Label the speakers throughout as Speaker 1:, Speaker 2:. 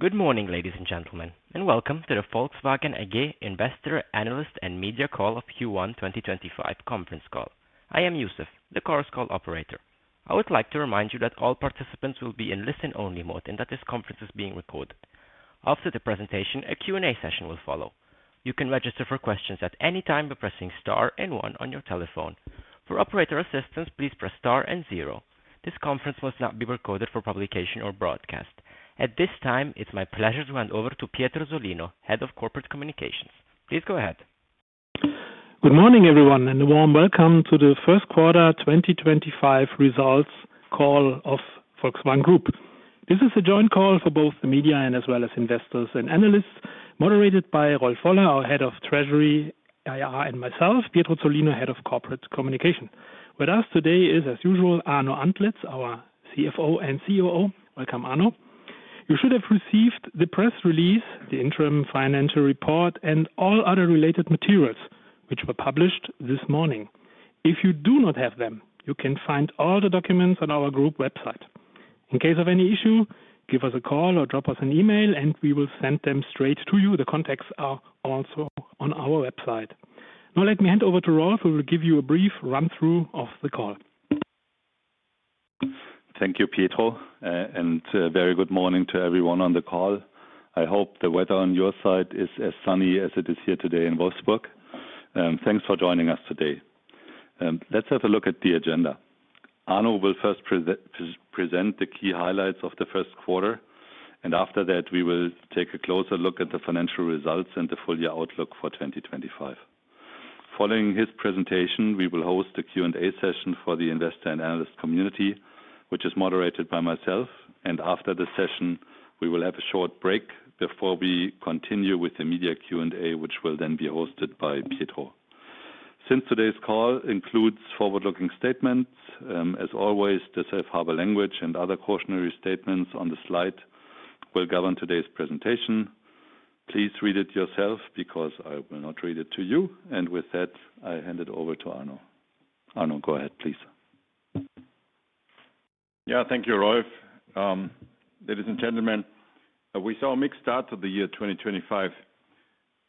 Speaker 1: Good morning, ladies and gentlemen, and welcome to the Volkswagen AG Investor, Analyst, and Media Call of Q1 2025 Conference Call. I am Youssef, the Cars Call Operator. I would like to remind you that all participants will be in listen-only mode, and that this conference is being recorded. After the presentation, a Q&A session will follow. You can register for questions at any time by pressing star and one on your telephone. For operator assistance, please press star and zero. This conference must not be recorded for publication or broadcast. At this time, it is my pleasure to hand over to Pietro Zollino, Head of Corporate Communications. Please go ahead.
Speaker 2: Good morning, everyone, and a warm welcome to the First Quarter 2025 results call of Volkswagen Group. This is a joint call for both the media as well as investors and analysts, moderated by Rolf Woller, our Head of Treasury, and myself, Pietro Zollino, Head of Corporate Communications. With us today is, as usual, Arno Antlitz, our CFO and COO. Welcome, Arno. You should have received the press release, the interim financial report, and all other related materials which were published this morning. If you do not have them, you can find all the documents on our group website. In case of any issue, give us a call or drop us an email, and we will send them straight to you. The contacts are also on our website. Now, let me hand over to Rolf, who will give you a brief run-through of the call.
Speaker 3: Thank you, Pietro, and very good morning to everyone on the call. I hope the weather on your side is as sunny as it is here today in Wolfsburg. Thanks for joining us today. Let's have a look at the agenda. Arno will first present the key highlights of the first quarter, and after that, we will take a closer look at the financial results and the full-year outlook for 2025. Following his presentation, we will host a Q&A session for the investor and analyst community, which is moderated by myself. After the session, we will have a short break before we continue with the media Q&A, which will then be hosted by Pietro. Since today's call includes forward-looking statements, as always, the safe harbor language and other cautionary statements on the slide will govern today's presentation. Please read it yourself because I will not read it to you. With that, I hand it over to Arno. Arno, go ahead, please.
Speaker 4: Yeah, thank you, Rolf. Ladies and gentlemen, we saw a mixed start to the year 2025.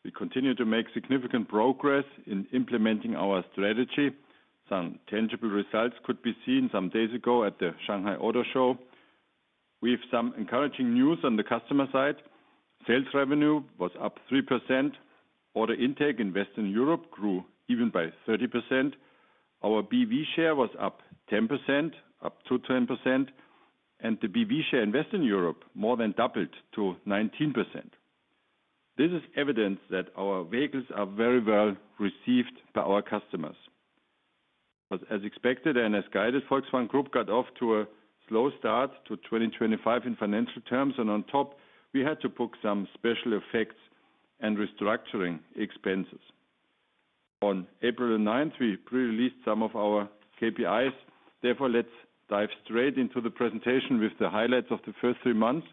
Speaker 4: We continue to make significant progress in implementing our strategy. Some tangible results could be seen some days ago at the Shanghai Auto Show. We have some encouraging news on the customer side. Sales revenue was up 3%. Order intake in Western Europe grew even by 30%. Our BEV share was up 10%, up to 10%, and the BEV share in Western Europe more than doubled to 19%. This is evidence that our vehicles are very well received by our customers. As expected and as guided, Volkswagen Group got off to a slow start to 2025 in financial terms, and on top, we had to book some special effects and restructuring expenses. On April 9th, we pre-released some of our KPIs. Therefore, let's dive straight into the presentation with the highlights of the first three months,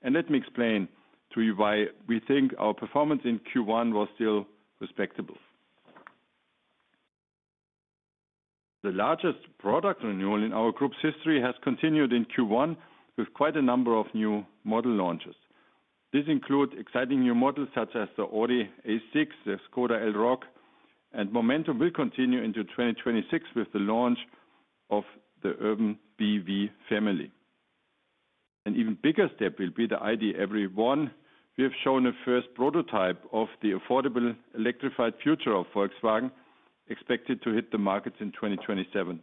Speaker 4: and let me explain to you why we think our performance in Q1 was still respectable. The largest product renewal in our group's history has continued in Q1 with quite a number of new model launches. This includes exciting new models such as the Audi A6, the Skoda Elroq, and momentum will continue into 2026 with the launch of the Urban BEV family. An even bigger step will be the ID.1. We have shown a first prototype of the affordable electrified future of Volkswagen expected to hit the markets in 2027.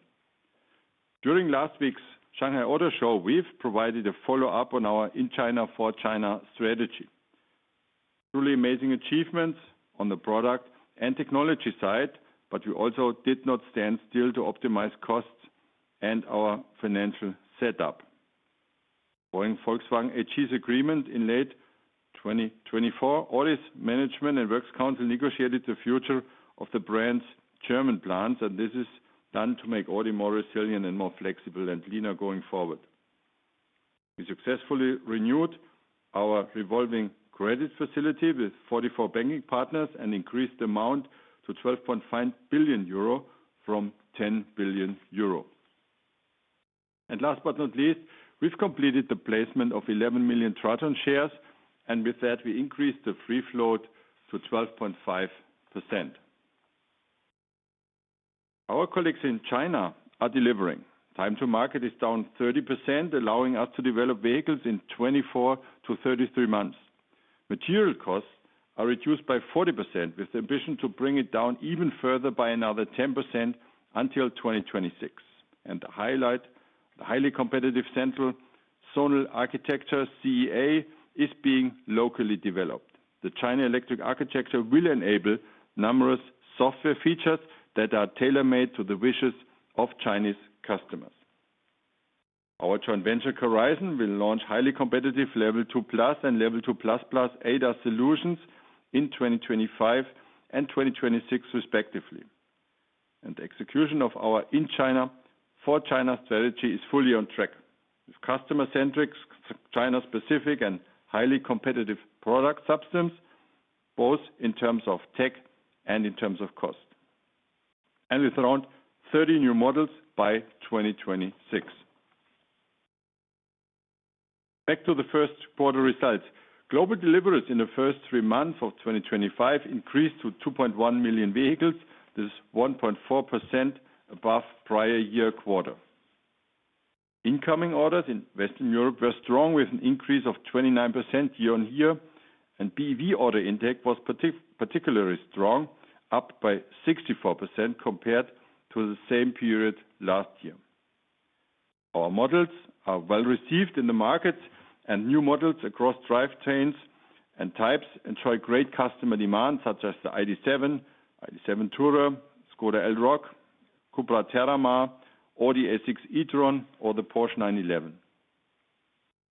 Speaker 4: During last week's Shanghai Auto Show, we've provided a follow-up on our in-China for China strategy. Truly amazing achievements on the product and technology side, but we also did not stand still to optimize costs and our financial setup. Following Volkswagen's agreement in late 2024, Audi's management and works council negotiated the future of the brand's German plants, and this is done to make Audi more resilient and more flexible and leaner going forward. We successfully renewed our revolving credit facility with 44 banking partners and increased the amount to 12.5 billion euro from 10 billion euro. Last but not least, we have completed the placement of 11 million Traton shares, and with that, we increased the free float to 12.5%. Our colleagues in China are delivering. Time to market is down 30%, allowing us to develop vehicles in 24-33 months. Material costs are reduced by 40% with the ambition to bring it down even further by another 10% until 2026. The highlight, the highly competitive central zonal architecture CEA is being locally developed. The China Electric Architecture will enable numerous software features that are tailor-made to the wishes of Chinese customers. Our joint venture Horizon will launch highly competitive Level 2 Plus and Level 2 Plus Plus ADAS solutions in 2025 and 2026 respectively. The execution of our in-China for China strategy is fully on track with customer-centric, China-specific, and highly competitive product substance, both in terms of tech and in terms of cost. We will launch 30 new models by 2026. Back to the first quarter results. Global deliverables in the first three months of 2025 increased to 2.1 million vehicles. This is 1.4% above prior year quarter. Incoming orders in Western Europe were strong with an increase of 29% year-on-year, and BEV order index was particularly strong, up by 64% compared to the same period last year. Our models are well received in the markets, and new models across drivetrains and types enjoy great customer demand such as the ID.7, ID.7 Tourer, Skoda Elroq, Cupra Terramar, Audi A6 e-tron, or the Porsche 911.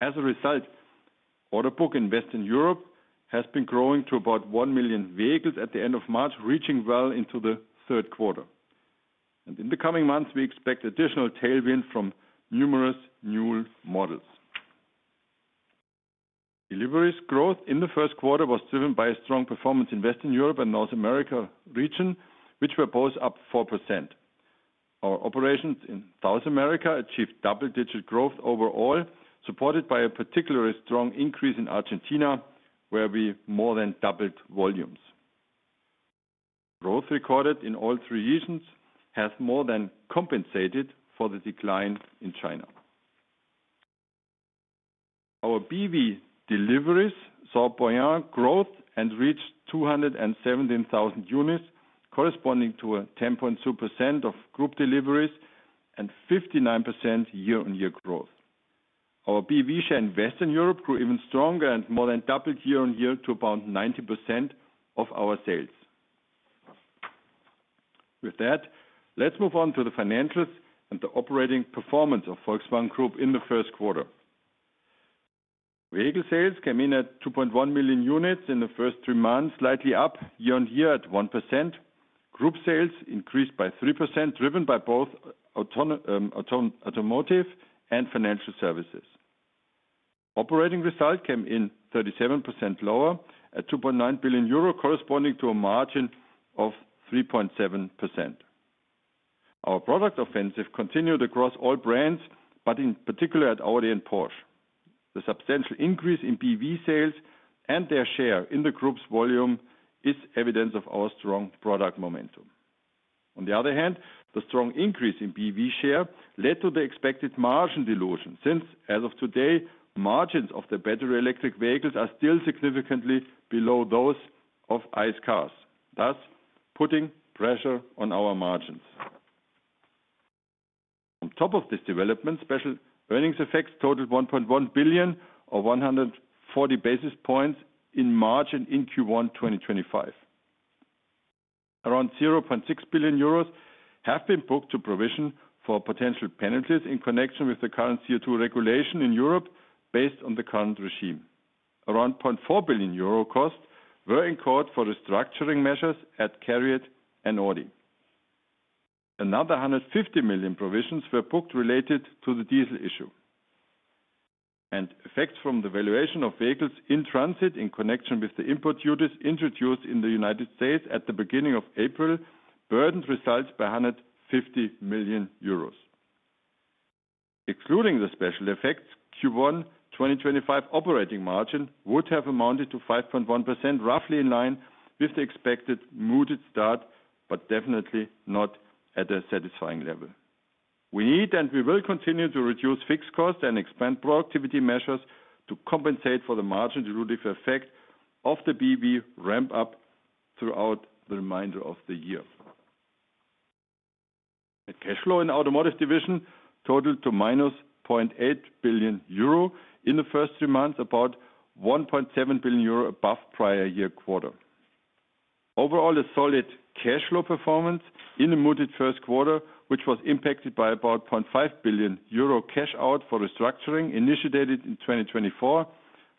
Speaker 4: As a result, order book in Western Europe has been growing to about 1 million vehicles at the end of March, reaching well into the third quarter. In the coming months, we expect additional tailwind from numerous new models. Delivery's growth in the first quarter was driven by a strong performance in Western Europe and North America region, which were both up 4%. Our operations in South America achieved double-digit growth overall, supported by a particularly strong increase in Argentina, where we more than doubled volumes. Growth recorded in all three regions has more than compensated for the decline in China. Our BEV deliveries saw growth and reached 217,000 units, corresponding to 10.2% of group deliveries and 59% year-on-year growth. Our BEV share in Western Europe grew even stronger and more than doubled year-on-year to about 9% of our sales. With that, let's move on to the financials and the operating performance of Volkswagen Group in the first quarter. Vehicle sales came in at 2.1 million units in the first three months, slightly up year-on-year at 1%. Group sales increased by 3%, driven by both automotive and financial services. Operating result came in 37% lower at 2.9 billion euro, corresponding to a margin of 3.7%. Our product offensive continued across all brands, in particular at Audi and Porsche. The substantial increase in BEV sales and their share in the group's volume is evidence of our strong product momentum. On the other hand, the strong increase in BEV share led to the expected margin dilution since, as of today, margins of the battery electric vehicles are still significantly below those of ICE cars, thus putting pressure on our margins. On top of this development, special earnings effects totaled 1.1 billion or 140 basis points in margin in Q1 2025. Around 0.6 billion euros have been booked to provision for potential penalties in connection with the current CO2 regulation in Europe based on the current regime. Around 0.4 billion euro costs were incurred for restructuring measures at CARIAD and Audi. Another 150 million provisions were booked related to the diesel issue. Effects from the valuation of vehicles in transit in connection with the import duties introduced in the United States at the beginning of April burdened results by 150 million euros. Excluding the special effects, Q1 2025 operating margin would have amounted to 5.1%, roughly in line with the expected muted start, but definitely not at a satisfying level. We need and we will continue to reduce fixed costs and expand productivity measures to compensate for the margin dilutive effect of the BEV ramp-up throughout the remainder of the year. Cash flow in automotive division totaled to -0.8 billion euro in the first three months, about 1.7 billion euro above prior year quarter. Overall, a solid cash flow performance in the muted first quarter, which was impacted by about 0.5 billion euro cash out for restructuring initiated in 2024,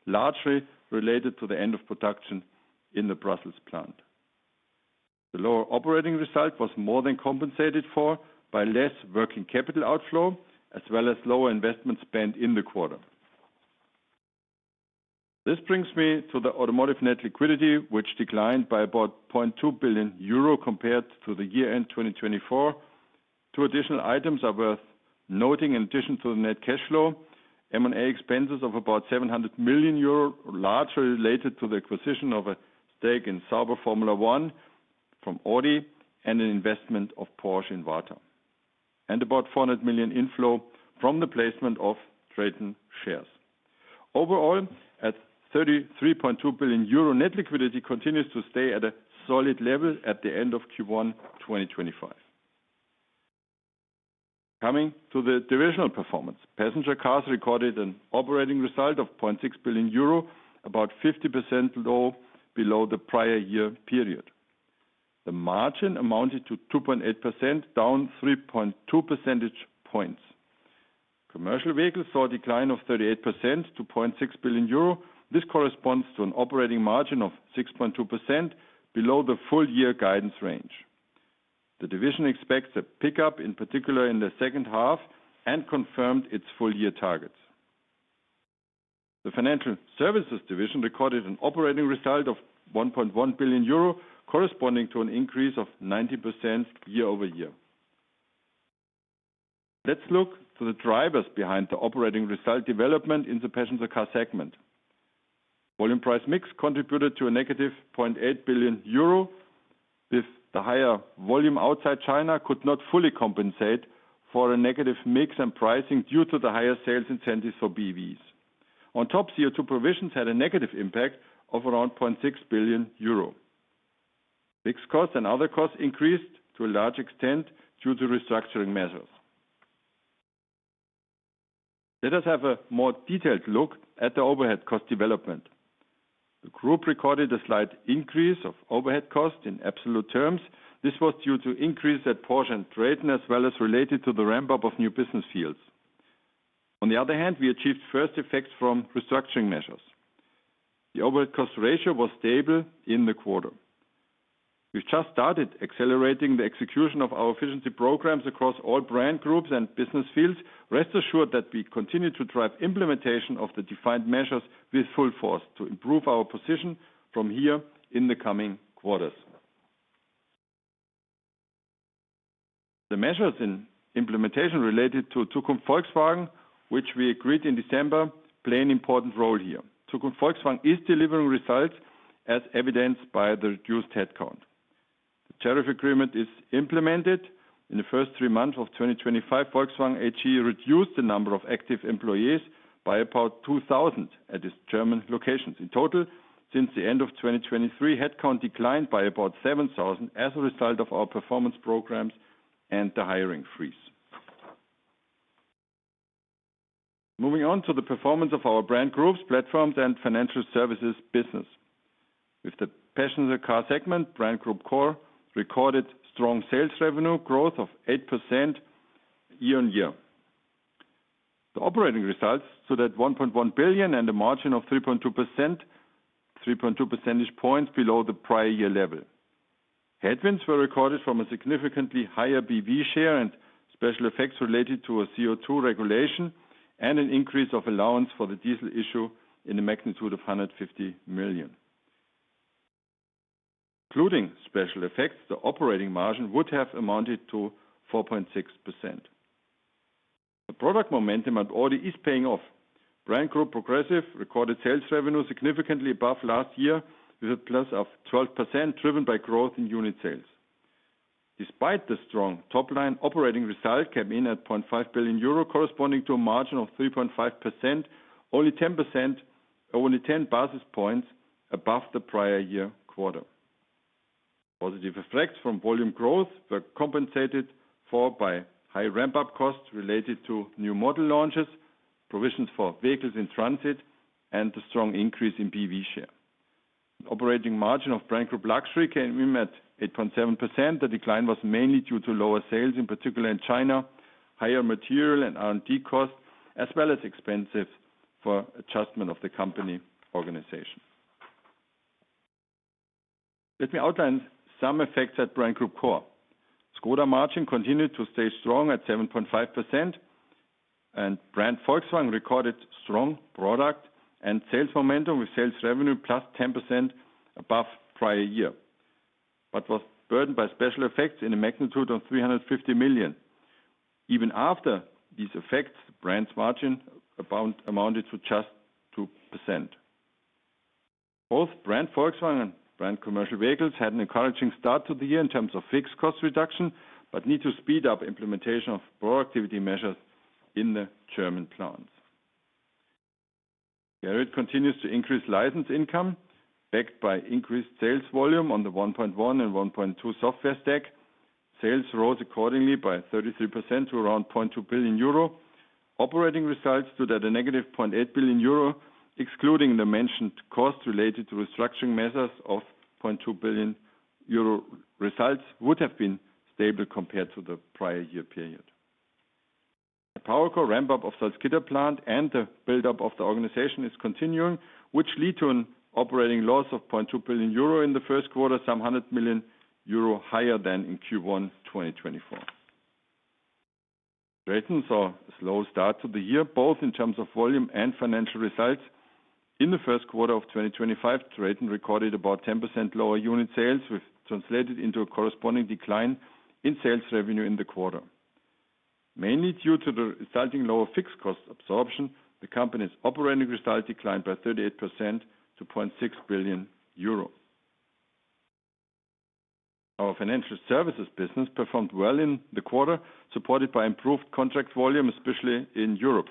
Speaker 4: largely related to the end of production in the Brussels plant. The lower operating result was more than compensated for by less working capital outflow, as well as lower investment spent in the quarter. This brings me to the automotive net liquidity, which declined by about 0.2 billion euro compared to the year-end 2024. Two additional items are worth noting in addition to the net cash flow: M&A expenses of about 700 million euro, largely related to the acquisition of a stake in Sauber Formula 1 from Audi and an investment of Porsche in Varta, and about 400 million inflow from the placement of Traton shares. Overall, at 33.2 billion euro, net liquidity continues to stay at a solid level at the end of Q1 2025. Coming to the divisional performance, passenger cars recorded an operating result of 0.6 billion euro, about 50% low below the prior year period. The margin amounted to 2.8%, down 3.2 percentage points. Commercial vehicles saw a decline of 38% to 0.6 billion euro. This corresponds to an operating margin of 6.2% below the full-year guidance range. The division expects a pickup, in particular in the second half, and confirmed its full-year targets. The financial services division recorded an operating result of 1.1 billion euro, corresponding to an increase of 90% year-over-year. Let's look to the drivers behind the operating result development in the passenger car segment. Volume price mix contributed to a -0.8 billion euro, with the higher volume outside China could not fully compensate for a negative mix and pricing due to the higher sales incentives for BEVs. On top, CO2 provisions had a negative impact of around 0.6 billion euro. Fixed costs and other costs increased to a large extent due to restructuring measures. Let us have a more detailed look at the overhead cost development. The group recorded a slight increase of overhead costs in absolute terms. This was due to increases at Porsche and Traton, as well as related to the ramp-up of new business fields. On the other hand, we achieved first effects from restructuring measures. The overhead cost ratio was stable in the quarter. We've just started accelerating the execution of our efficiency programs across all brand groups and business fields. Rest assured that we continue to drive implementation of the defined measures with full force to improve our position from here in the coming quarters. The measures in implementation related to Zukunft Volkswagen, which we agreed in December, play an important role here. Zukunft Volkswagen is delivering results as evidenced by the reduced headcount. The tariff agreement is implemented. In the first three months of 2025, Volkswagen AG reduced the number of active employees by about 2,000 at its German locations. In total, since the end of 2023, headcount declined by about 7,000 as a result of our performance programs and the hiring freeze. Moving on to the performance of our brand groups, platforms, and financial services business. With the passenger car segment, brand group Core recorded strong sales revenue growth of 8% year-on-year. The operating results stood at 1.1 billion and a margin of 3.2%, 3.2 percentage points below the prior year level. Headwinds were recorded from a significantly higher BEV share and special effects related to a CO2 regulation and an increase of allowance for the diesel issue in a magnitude of 150 million. Including special effects, the operating margin would have amounted to 4.6%. The product momentum at Audi is paying off. Brand group Progressive recorded sales revenue significantly above last year with a plus of 12% driven by growth in unit sales. Despite the strong top line, operating result came in at 0.5 billion euro, corresponding to a margin of 3.5%, only 10 basis points above the prior year quarter. Positive effects from volume growth were compensated for by high ramp-up costs related to new model launches, provisions for vehicles in transit, and the strong increase in BEV share. Operating margin of brand group luxury came in at 8.7%. The decline was mainly due to lower sales, in particular in China, higher material and R&D costs, as well as expenses for adjustment of the company organization. Let me outline some effects at brand group core. Skoda margin continued to stay strong at 7.5%, and brand Volkswagen recorded strong product and sales momentum with sales revenue plus 10% above prior year, but was burdened by special effects in a magnitude of 350 million. Even after these effects, the brand's margin amounted to just 2%. Both brand Volkswagen and brand Commercial Vehicles had an encouraging start to the year in terms of fixed cost reduction, but need to speed up implementation of productivity measures in the German plants. CARIAD continues to increase license income backed by increased sales volume on the 1.1 and 1.2 software stack. Sales rose accordingly by 33% to around 0.2 billion euro. Operating results stood at a -0.8 billion euro, excluding the mentioned cost related to restructuring measures of 0.2 billion euro. Results would have been stable compared to the prior year period. The PowerCo ramp-up of Salzgitter plant and the build-up of the organization is continuing, which led to an operating loss of 0.2 billion euro in the first quarter, some 100 million euro higher than in Q1 2024. Traton saw a slow start to the year, both in terms of volume and financial results. In the first quarter of 2025, Traton recorded about 10% lower unit sales, which translated into a corresponding decline in sales revenue in the quarter. Mainly due to the resulting lower fixed cost absorption, the company's operating result declined by 38% to 0.6 billion euro. Our financial services business performed well in the quarter, supported by improved contract volume, especially in Europe.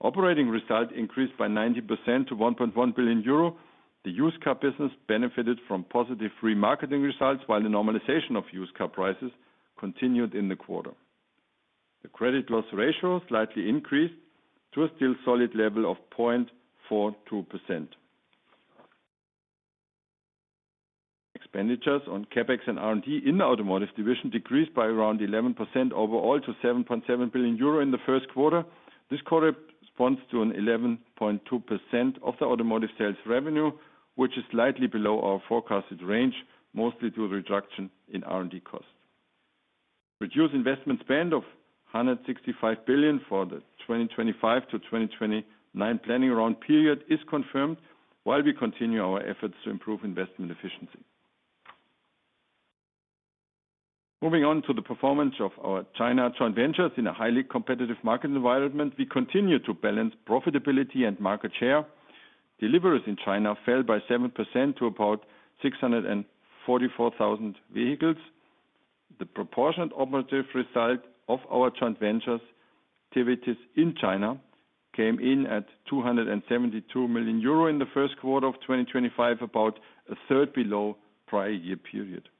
Speaker 4: Operating result increased by 90% to 1.1 billion euro. The used car business benefited from positive remarketing results, while the normalization of used car prices continued in the quarter. The credit loss ratio slightly increased to a still solid level of 0.42%. Expenditures on CapEx and R&D in the automotive division decreased by around 11% overall to 7.7 billion euro in the first quarter. This corresponds to an 11.2% of the automotive sales revenue, which is slightly below our forecasted range, mostly due to the reduction in R&D costs. Reduced investment spend of EUR 165 billion for the 2025-2029 planning round period is confirmed while we continue our efforts to improve investment efficiency. Moving on to the performance of our China joint ventures in a highly competitive market environment, we continue to balance profitability and market share. Deliveries in China fell by 7% to about 644,000 vehicles. The proportionate operative result of our joint ventures activities in China came in at 272 million euro in the first quarter of 2025, about a third below prior year period.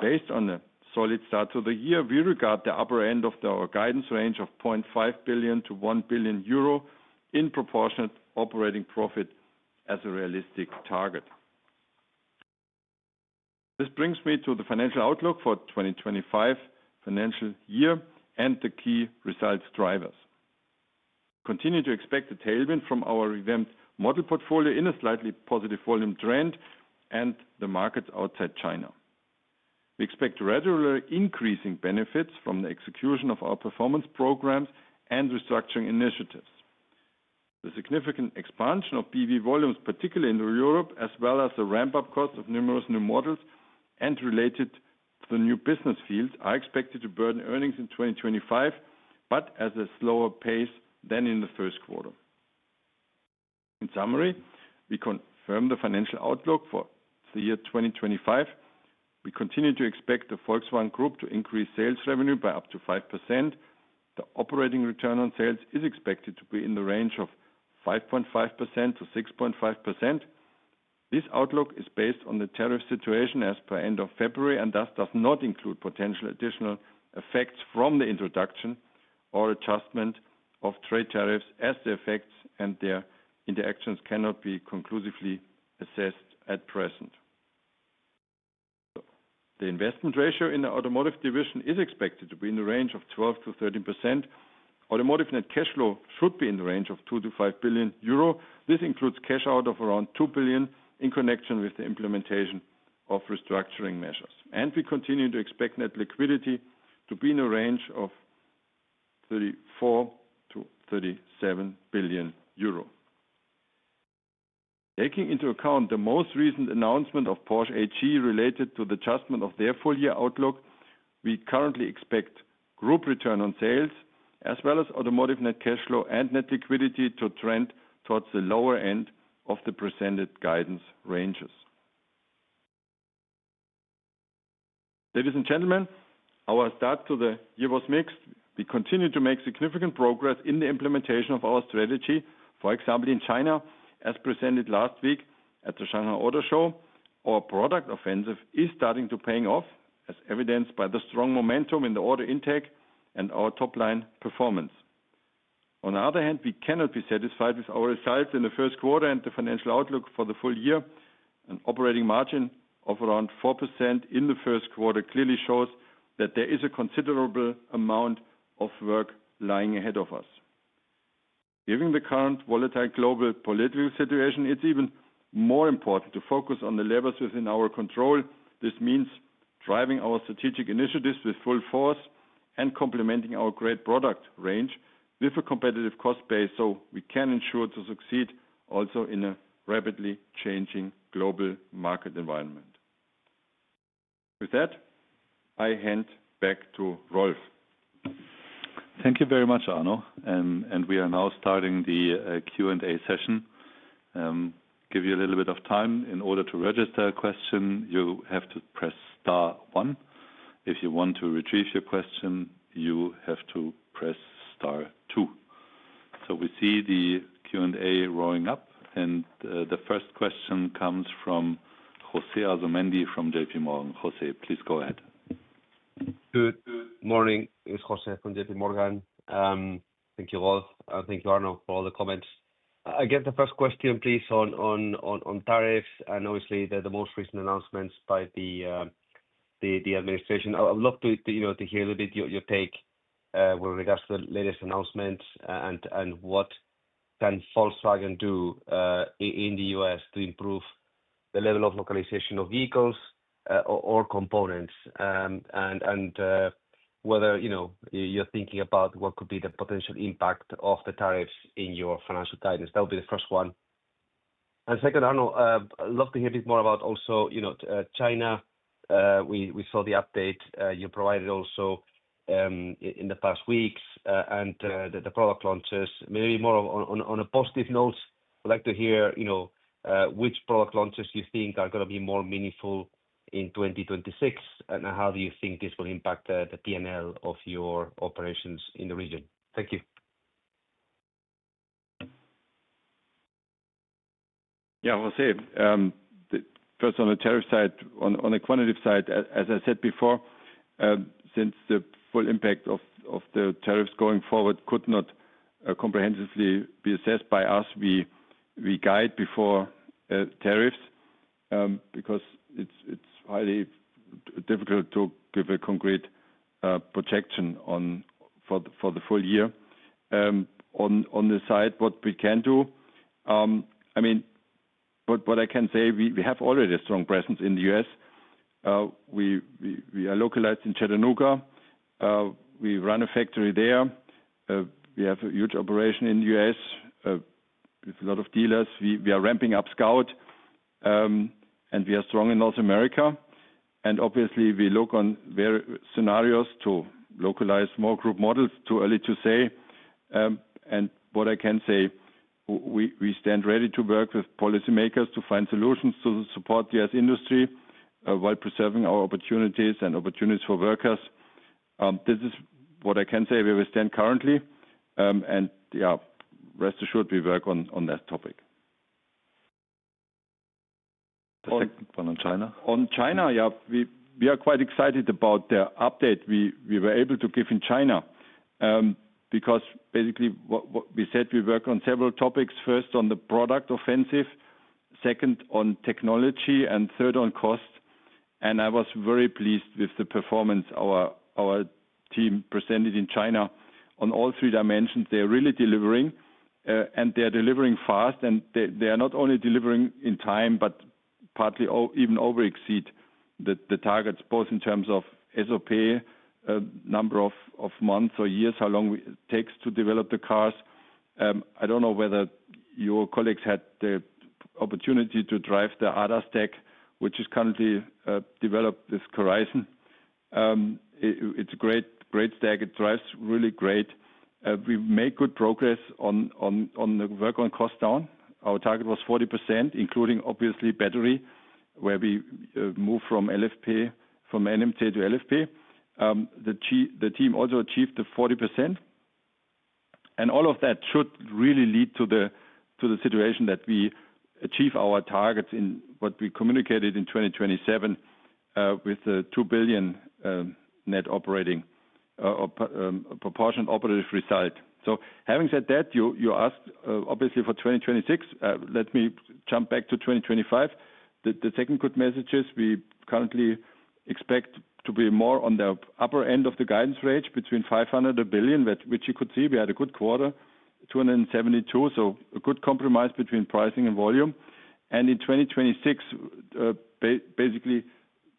Speaker 4: Based on a solid start to the year, we regard the upper end of our guidance range of 0.5 billion-1 billion euro in proportionate operating profit as a realistic target. This brings me to the financial outlook for 2025 financial year and the key results drivers. We continue to expect a tailwind from our revamped model portfolio in a slightly positive volume trend and the markets outside China. We expect regular increasing benefits from the execution of our performance programs and restructuring initiatives. The significant expansion of BEV volumes, particularly in Europe, as well as the ramp-up cost of numerous new models and related to the new business fields, are expected to burden earnings in 2025, but at a slower pace than in the first quarter. In summary, we confirm the financial outlook for the year 2025. We continue to expect the Volkswagen Group to increase sales revenue by up to 5%. The operating return on sales is expected to be in the range of 5.5%-6.5%. This outlook is based on the tariff situation as per end of February and thus does not include potential additional effects from the introduction or adjustment of trade tariffs, as the effects and their interactions cannot be conclusively assessed at present. The investment ratio in the automotive division is expected to be in the range of 12%-13%. Automotive net cash flow should be in the range of 2 billion-5 billion euro. This includes cash out of around 2 billion in connection with the implementation of restructuring measures. We continue to expect net liquidity to be in the range of 34 billion-37 billion euro. Taking into account the most recent announcement of Porsche HE related to the adjustment of their full-year outlook, we currently expect group return on sales, as well as automotive net cash flow and net liquidity to trend towards the lower end of the presented guidance ranges. Ladies and gentlemen, our start to the year was mixed. We continue to make significant progress in the implementation of our strategy, for example, in China, as presented last week at the Shanghai Auto Show. Our product offensive is starting to pay off, as evidenced by the strong momentum in the order intake and our top-line performance. On the other hand, we cannot be satisfied with our results in the first quarter and the financial outlook for the full year. An operating margin of around 4% in the first quarter clearly shows that there is a considerable amount of work lying ahead of us. Given the current volatile global political situation, it's even more important to focus on the levers within our control. This means driving our strategic initiatives with full force and complementing our great product range with a competitive cost base so we can ensure to succeed also in a rapidly changing global market environment. With that, I hand back to Rolf.
Speaker 3: Thank you very much, Arno. We are now starting the Q&A session. Give you a little bit of time. In order to register a question, you have to press star one. If you want to retrieve your question, you have to press star two. We see the Q&A rolling up, and the first question comes from José Asumendi from JPMorgan. José, please go ahead.
Speaker 5: Good morning. It's José from JPMorgan. Thank you, Rolf. Thank you, Arno, for all the comments. I get the first question, please, on tariffs and obviously the most recent announcements by the administration. I would love to hear a little bit your take with regards to the latest announcements and what can Volkswagen do in the U.S. to improve the level of localization of vehicles or components and whether you're thinking about what could be the potential impact of the tariffs in your financial guidance. That would be the first one. Second, Arno, I'd love to hear a bit more about also China. We saw the update you provided also in the past weeks and the product launches. Maybe more on a positive note, we'd like to hear which product launches you think are going to be more meaningful in 2026, and how do you think this will impact the P&L of your operations in the region? Thank you.
Speaker 4: Yeah, see, first on the tariff side, on the quantitative side, as I said before, since the full impact of the tariffs going forward could not comprehensively be assessed by us, we guide before tariffs because it's highly difficult to give a concrete projection for the full year. On the side, what we can do, I mean, what I can say, we have already a strong presence in the U.S. We are localized in Chattanooga. We run a factory there. We have a huge operation in the U.S. with a lot of dealers. We are ramping up Scout, and we are strong in North America. Obviously, we look on various scenarios to localize more group models, too early to say. What I can say, we stand ready to work with policymakers to find solutions to support the U.S. industry while preserving our opportunities and opportunities for workers. This is what I can say where we stand currently. Yeah, rest assured, we work on that topic.
Speaker 5: On China?
Speaker 4: On China, yeah, we are quite excited about the update we were able to give in China because basically we said we work on several topics. First, on the product offensive, second, on technology, and third, on cost. I was very pleased with the performance our team presented in China on all three dimensions. They're really delivering, and they're delivering fast. They are not only delivering in time, but partly even overexceed the targets, both in terms of SOP, number of months or years, how long it takes to develop the cars. I don't know whether your colleagues had the opportunity to drive the ADAS tech, which is currently developed with Horizon. It's a great stack. It drives really great. We made good progress on the work on cost down. Our target was 40%, including obviously battery, where we moved from NMC to LFP. The team also achieved the 40%. All of that should really lead to the situation that we achieve our targets in what we communicated in 2027 with the 2 billion net operating proportion operative result. You asked obviously for 2026. Let me jump back to 2025. The second good message is we currently expect to be more on the upper end of the guidance range between 500 million and 1 billion, which you could see. We had a good quarter, 272 million, so a good compromise between pricing and volume. In 2026, basically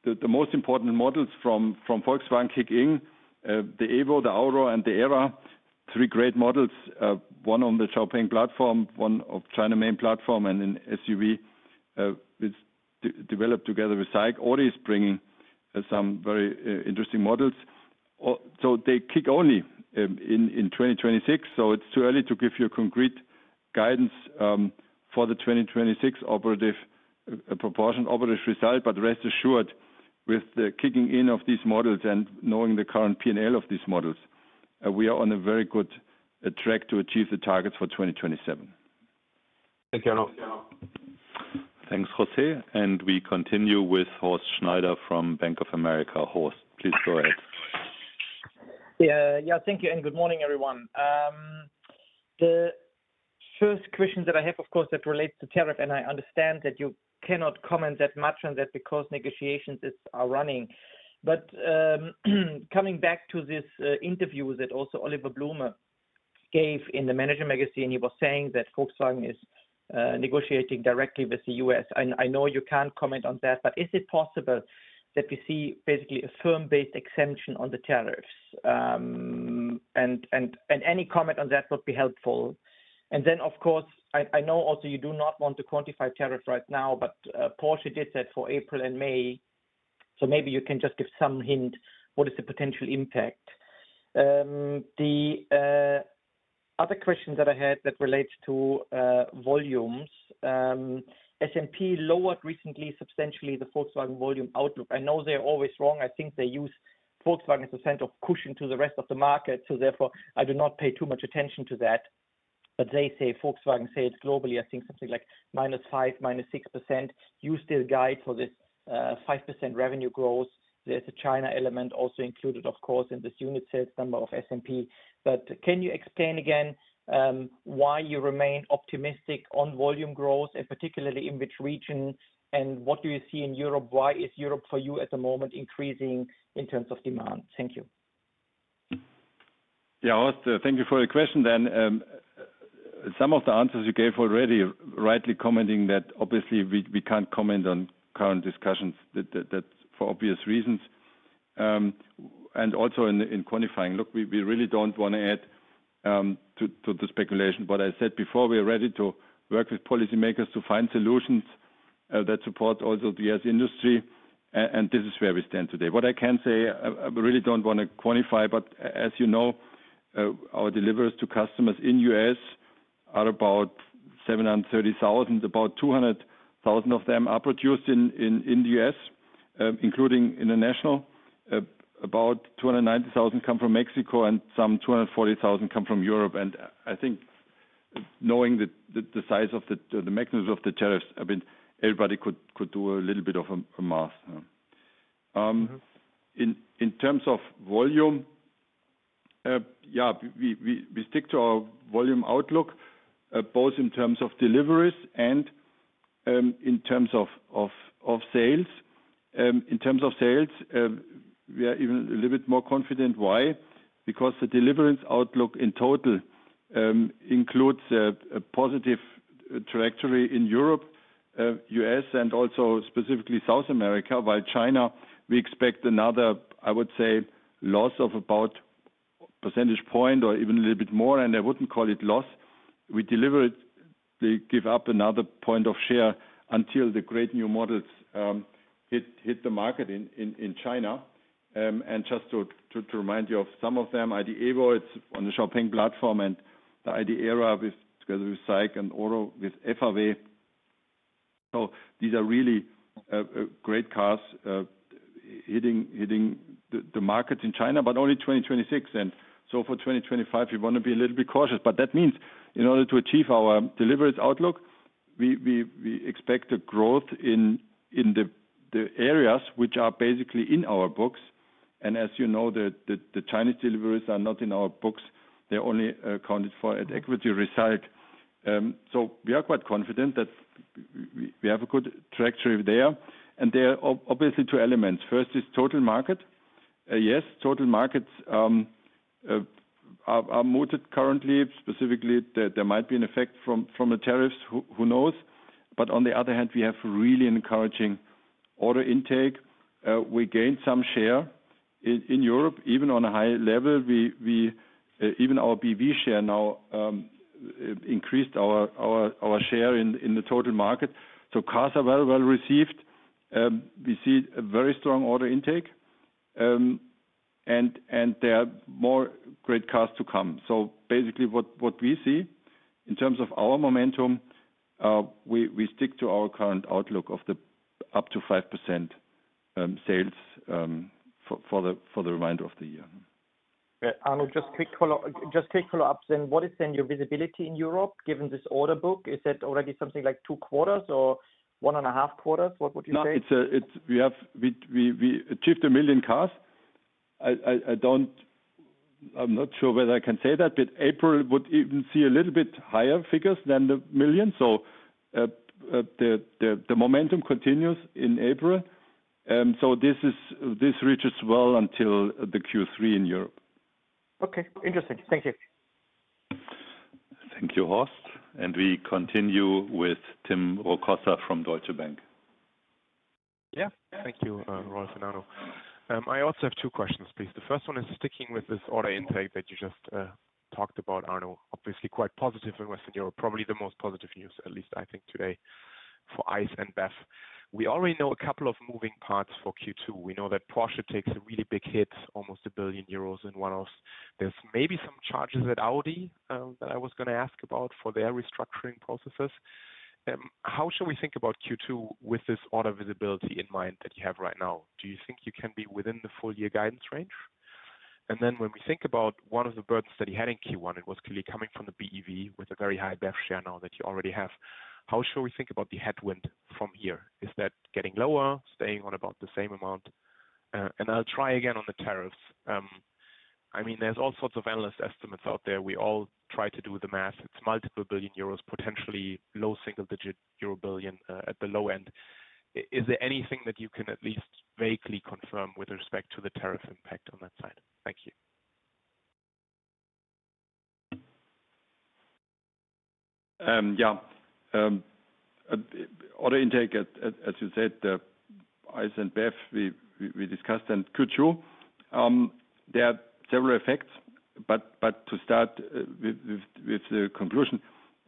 Speaker 4: the most important models from Volkswagen kick in, the EVO, the AURA, and the ERA, three great models, one on the XPeng platform, one on China's main platform, and an SUV developed together with SAIC. Audi is bringing some very interesting models. They kick only in 2026, so it is too early to give you a concrete guidance for the 2026 operative proportion operative result. Rest assured, with the kicking in of these models and knowing the current P&L of these models, we are on a very good track to achieve the targets for 2027. Thank you, Arno.
Speaker 3: Thanks, José. We continue with Horst Schneider from Bank of America. Horst, please go ahead.
Speaker 6: Yeah, thank you. Good morning, everyone. The first question that I have, of course, that relates to tariff, and I understand that you cannot comment that much on that because negotiations are running. Coming back to this interview that also Oliver Blume gave in the Manager Magazin, he was saying that Volkswagen is negotiating directly with the U.S. I know you can't comment on that, but is it possible that we see basically a firm-based exemption on the tariffs? Any comment on that would be helpful. I know also you do not want to quantify tariffs right now, but Porsche did that for April and May. Maybe you can just give some hint what is the potential impact. The other question that I had that relates to volumes, S&P lowered recently substantially the Volkswagen volume outlook. I know they're always wrong. I think they use Volkswagen as a kind of cushion to the rest of the market. Therefore, I do not pay too much attention to that. They say Volkswagen sales globally, I think something like -5%, -6%. You still guide for this 5% revenue growth. There is a China element also included, of course, in this unit sales number of S&P. Can you explain again why you remain optimistic on volume growth, and particularly in which region, and what do you see in Europe? Why is Europe for you at the moment increasing in terms of demand? Thank you.
Speaker 4: Thank you for the question. Some of the answers you gave already, rightly commenting that obviously we cannot comment on current discussions for obvious reasons. Also, in quantifying, look, we really do not want to add to the speculation. What I said before, we're ready to work with policymakers to find solutions that support also the U.S. industry. This is where we stand today. What I can say, I really don't want to quantify, but as you know, our deliveries to customers in the U.S. are about 730,000. About 200,000 of them are produced in the U.S., including international. About 290,000 come from Mexico, and some 240,000 come from Europe. I think knowing the size of the mechanism of the tariffs, I mean, everybody could do a little bit of a math. In terms of volume, yeah, we stick to our volume outlook, both in terms of deliveries and in terms of sales. In terms of sales, we are even a little bit more confident. Why? Because the deliverance outlook in total includes a positive trajectory in Europe, U.S., and also specifically South America. While China, we expect another, I would say, loss of about a percentage point or even a little bit more. I would not call it loss. We deliver it, they give up another point of share until the great new models hit the market in China. Just to remind you of some of them, ID. EVO, it is on the XPeng platform, and the ID. ERA together with SAIC and AURA with FAW. These are really great cars hitting the market in China, but only in 2026. For 2025, we want to be a little bit cautious. That means in order to achieve our deliverance outlook, we expect a growth in the areas which are basically in our books. As you know, the Chinese deliveries are not in our books. They are only accounted for at equity result. We are quite confident that we have a good trajectory there. There are obviously two elements. First is total market. Yes, total markets are mooted currently. Specifically, there might be an effect from the tariffs. Who knows? On the other hand, we have really encouraging order intake. We gained some share in Europe, even on a high level. Even our BEV share now increased our share in the total market. Cars are very well received. We see a very strong order intake. There are more great cars to come. What we see in terms of our momentum, we stick to our current outlook of up to 5% sales for the remainder of the year.
Speaker 6: Arno, just quick follow-ups then. What is then your visibility in Europe given this order book? Is that already something like two quarters or one and a half quarters? What would you say?
Speaker 4: We achieved a million cars. I'm not sure whether I can say that, but April would even see a little bit higher figures than the million. The momentum continues in April. This reaches well until the Q3 in Europe.
Speaker 6: Okay. Interesting. Thank you.
Speaker 3: Thank you, Horst. We continue with Tim Rokossa from Deutsche Bank.
Speaker 7: Yeah, thank you, Rolf and Arno. I also have two questions, please. The first one is sticking with this order intake that you just talked about, Arno, obviously quite positive in Western Europe, probably the most positive news, at least I think today for ICE and BEV. We already know a couple of moving parts for Q2. We know that Porsche takes a really big hit, almost 1 billion in one-offs. There's maybe some charges at Audi that I was going to ask about for their restructuring processes. How should we think about Q2 with this order visibility in mind that you have right now? Do you think you can be within the full year guidance range? When we think about one of the burdens that you had in Q1, it was clearly coming from the BEV with a very high BEV share now that you already have. How should we think about the headwind from here? Is that getting lower, staying on about the same amount? I'll try again on the tariffs. I mean, there's all sorts of analyst estimates out there. We all try to do the math. It's multiple billion EUR, potentially low single-digit euro billion at the low end. Is there anything that you can at least vaguely confirm with respect to the tariff impact on that side? Thank you.
Speaker 4: Yeah. Order intake, as you said, ICE and BEV, we discussed in Q2. There are several effects, but to start with the conclusion,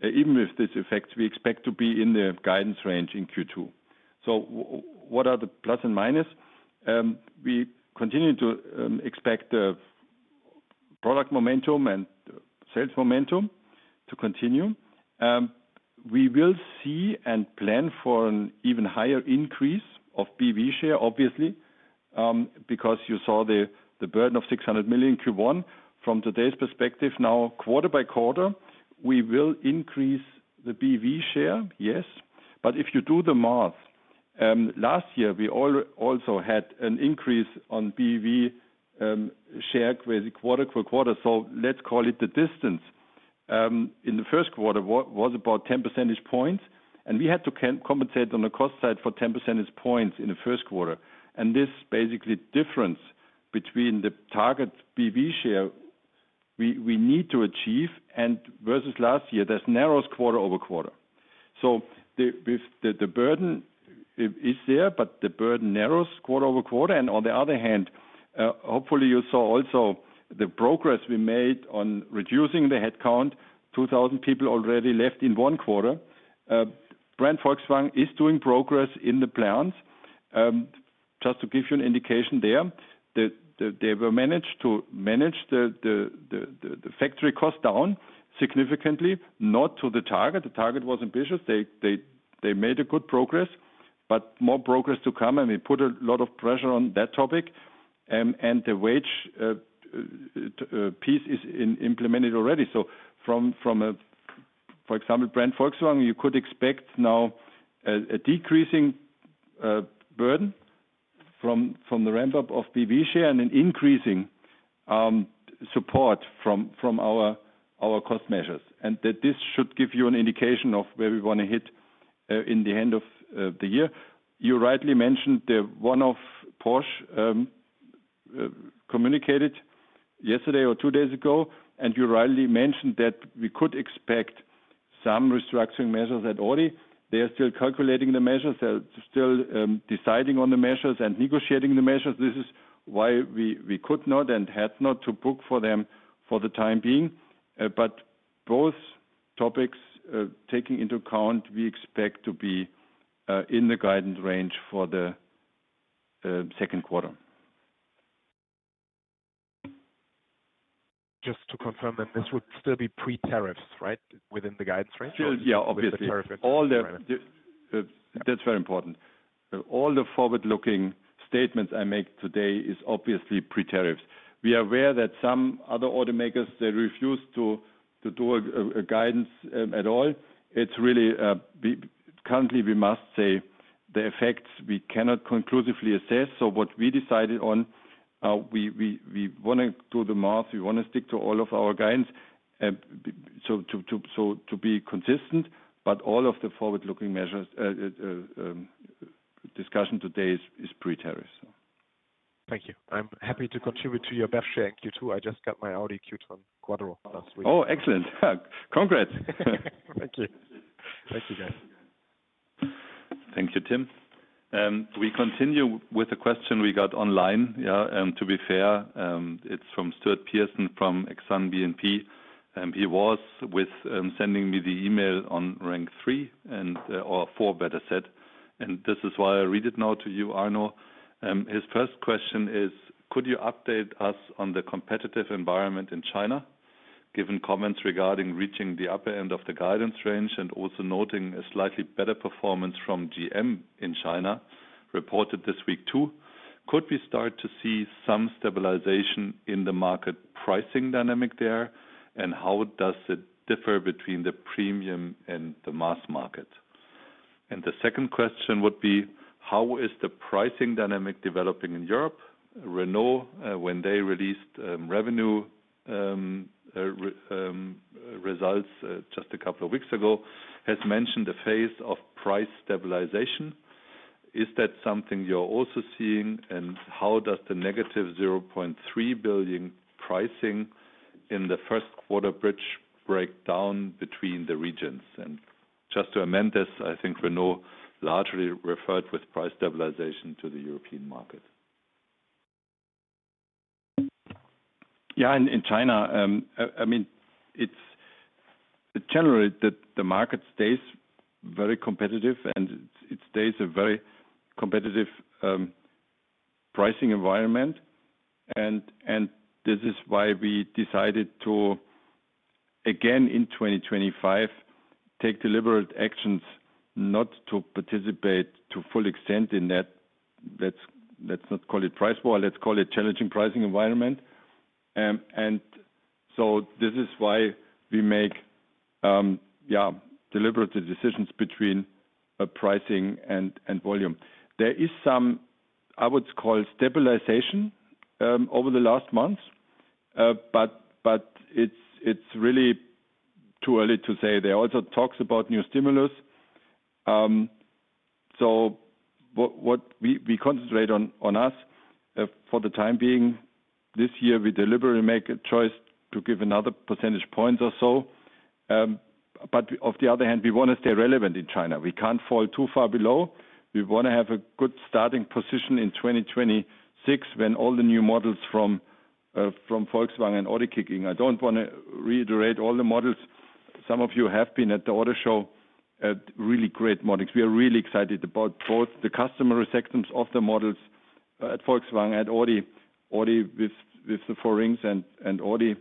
Speaker 4: even with these effects, we expect to be in the guidance range in Q2. What are the plus and minus? We continue to expect product momentum and sales momentum to continue. We will see and plan for an even higher increase of BEV share, obviously, because you saw the burden of 600 million in Q1. From today's perspective, now quarter-by-quarter, we will increase the BEV share, yes. If you do the math, last year we also had an increase on BEV share quarter-for-quarter. Let's call it the distance. In the first quarter, it was about 10 percentage points. We had to compensate on the cost side for 10 percentage points in the first quarter. This basically difference between the target BEV share we need to achieve versus last year narrows quarter over quarter. The burden is there, but the burden narrows quarter over quarter. On the other hand, hopefully you saw also the progress we made on reducing the headcount, 2,000 people already left in one quarter. Brand Volkswagen is doing progress in the plans. Just to give you an indication there, they were managed to manage the factory cost down significantly, not to the target. The target was ambitious. They made good progress, but more progress to come. We put a lot of pressure on that topic. The wage piece is implemented already. For example, from Brand Volkswagen, you could expect now a decreasing burden from the ramp-up of BEV share and an increasing support from our cost measures. This should give you an indication of where we want to hit at the end of the year. You rightly mentioned the one-off Porsche communicated yesterday or two days ago, and you rightly mentioned that we could expect some restructuring measures at Audi. They are still calculating the measures, they are still deciding on the measures, and negotiating the measures. This is why we could not and had not to book for them for the time being. Both topics taken into account, we expect to be in the guidance range for the second quarter.
Speaker 7: Just to confirm that this would still be pre-tariffs, right, within the guidance range?
Speaker 4: Yeah, obviously. All the—that is very important. All the forward-looking statements I make today is obviously pre-tariffs. We are aware that some other automakers, they refuse to do a guidance at all. Currently, we must say the effects we cannot conclusively assess. What we decided on, we want to do the math. We want to stick to all of our guidance to be consistent. All of the forward-looking measures discussion today is pre-tariffs.
Speaker 7: Thank you. I'm happy to contribute to your BEV share in Q2. I just got my Audi Q2 and quarter over last week.
Speaker 4: Oh, excellent. Congrats.
Speaker 7: Thank you. Thank you, guys.
Speaker 3: Thank you, Tim. We continue with a question we got online. To be fair, it's from Stuart Pearson from Exxon BNP. He was sending me the email on rank three or four, better said. This is why I read it now to you, Arno. His first question is, could you update us on the competitive environment in China, given comments regarding reaching the upper end of the guidance range and also noting a slightly better performance from GM in China reported this week too? Could we start to see some stabilization in the market pricing dynamic there? How does it differ between the premium and the mass market? The second question would be, how is the pricing dynamic developing in Europe? Renault, when they released revenue results just a couple of weeks ago, has mentioned the phase of price stabilization. Is that something you're also seeing? How does the -0.3 billion pricing in the first quarter bridge break down between the regions? Just to amend this, I think Renault largely referred with price stabilization to the European market.
Speaker 4: Yeah, in China, I mean, it's generally that the market stays very competitive, and it stays a very competitive pricing environment. This is why we decided to, again, in 2025, take deliberate actions not to participate to full extent in that. Let's not call it price war. Let's call it challenging pricing environment. This is why we make, yeah, deliberate decisions between pricing and volume. There is some, I would call, stabilization over the last months, but it's really too early to say. There are also talks about new stimulus. We concentrate on us for the time being. This year, we deliberately make a choice to give another percentage points or so. On the other hand, we want to stay relevant in China. We can't fall too far below. We want to have a good starting position in 2026 when all the new models from Volkswagen and Audi kick in. I do not want to reiterate all the models. Some of you have been at the auto show, really great models. We are really excited about both the customer receptions of the models at Volkswagen, at Audi, Audi with the four rings and Audi.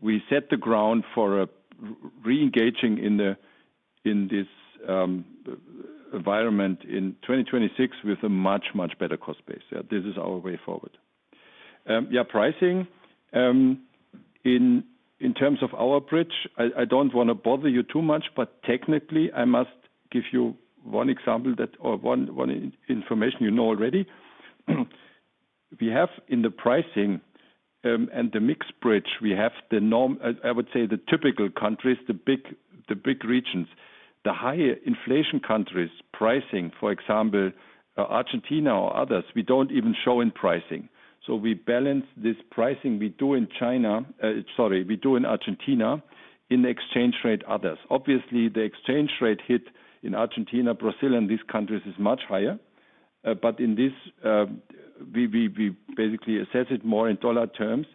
Speaker 4: We set the ground for re-engaging in this environment in 2026 with a much, much better cost base. This is our way forward. Yeah, pricing in terms of our bridge, I do not want to bother you too much, but technically, I must give you one example or one information you know already. We have in the pricing and the mixed bridge, we have the, I would say, the typical countries, the big regions. The higher inflation countries' pricing, for example, Argentina or others, we do not even show in pricing. We balance this pricing we do in China, sorry, we do in Argentina in exchange rate others. Obviously, the exchange rate hit in Argentina, Brazil, and these countries is much higher. In this, we basically assess it more in dollar terms.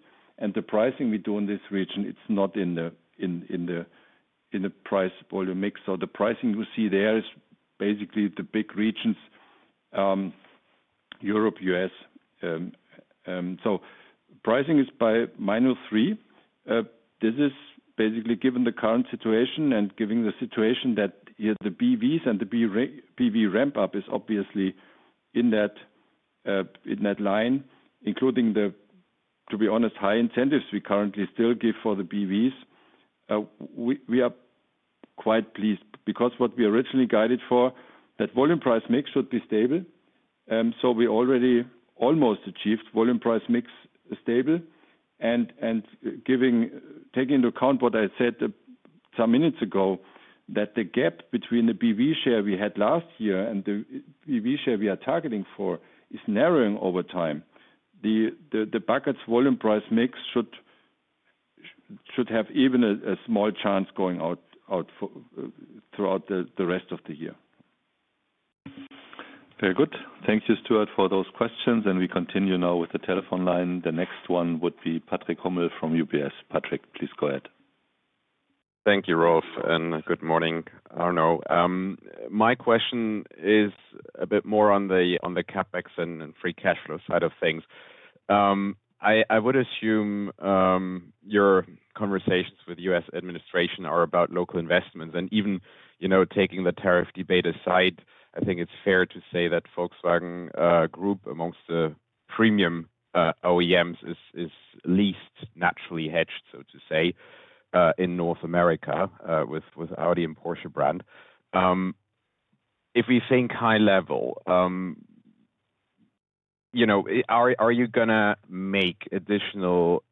Speaker 4: The pricing we do in this region, it is not in the price volume mix. The pricing you see there is basically the big regions, Europe, U.S. Pricing is by minus three. This is basically given the current situation and given the situation that the BEVs and the BEV ramp-up is obviously in that line, including, to be honest, high incentives we currently still give for the BEVs. We are quite pleased because what we originally guided for, that volume price mix should be stable. We already almost achieved volume price mix stable. Taking into account what I said some minutes ago, that the gap between the BEV share we had last year and the BEV share we are targeting for is narrowing over time, the buckets volume price mix should have even a small chance going out throughout the rest of the year.
Speaker 3: Very good. Thank you, Stuart, for those questions. We continue now with the telephone line. The next one would be Patrick Hummel from UBS. Patrick, please go ahead.
Speaker 8: Thank you, Rolf, and good morning, Arno. My question is a bit more on the CapEx and free cash flow side of things. I would assume your conversations with the U.S. administration are about local investments. Even taking the tariff debate aside, I think it's fair to say that Volkswagen Group, amongst the premium OEMs, is least naturally hedged, so to say, in North America with Audi and Porsche brand. If we think high level, are you going to make additional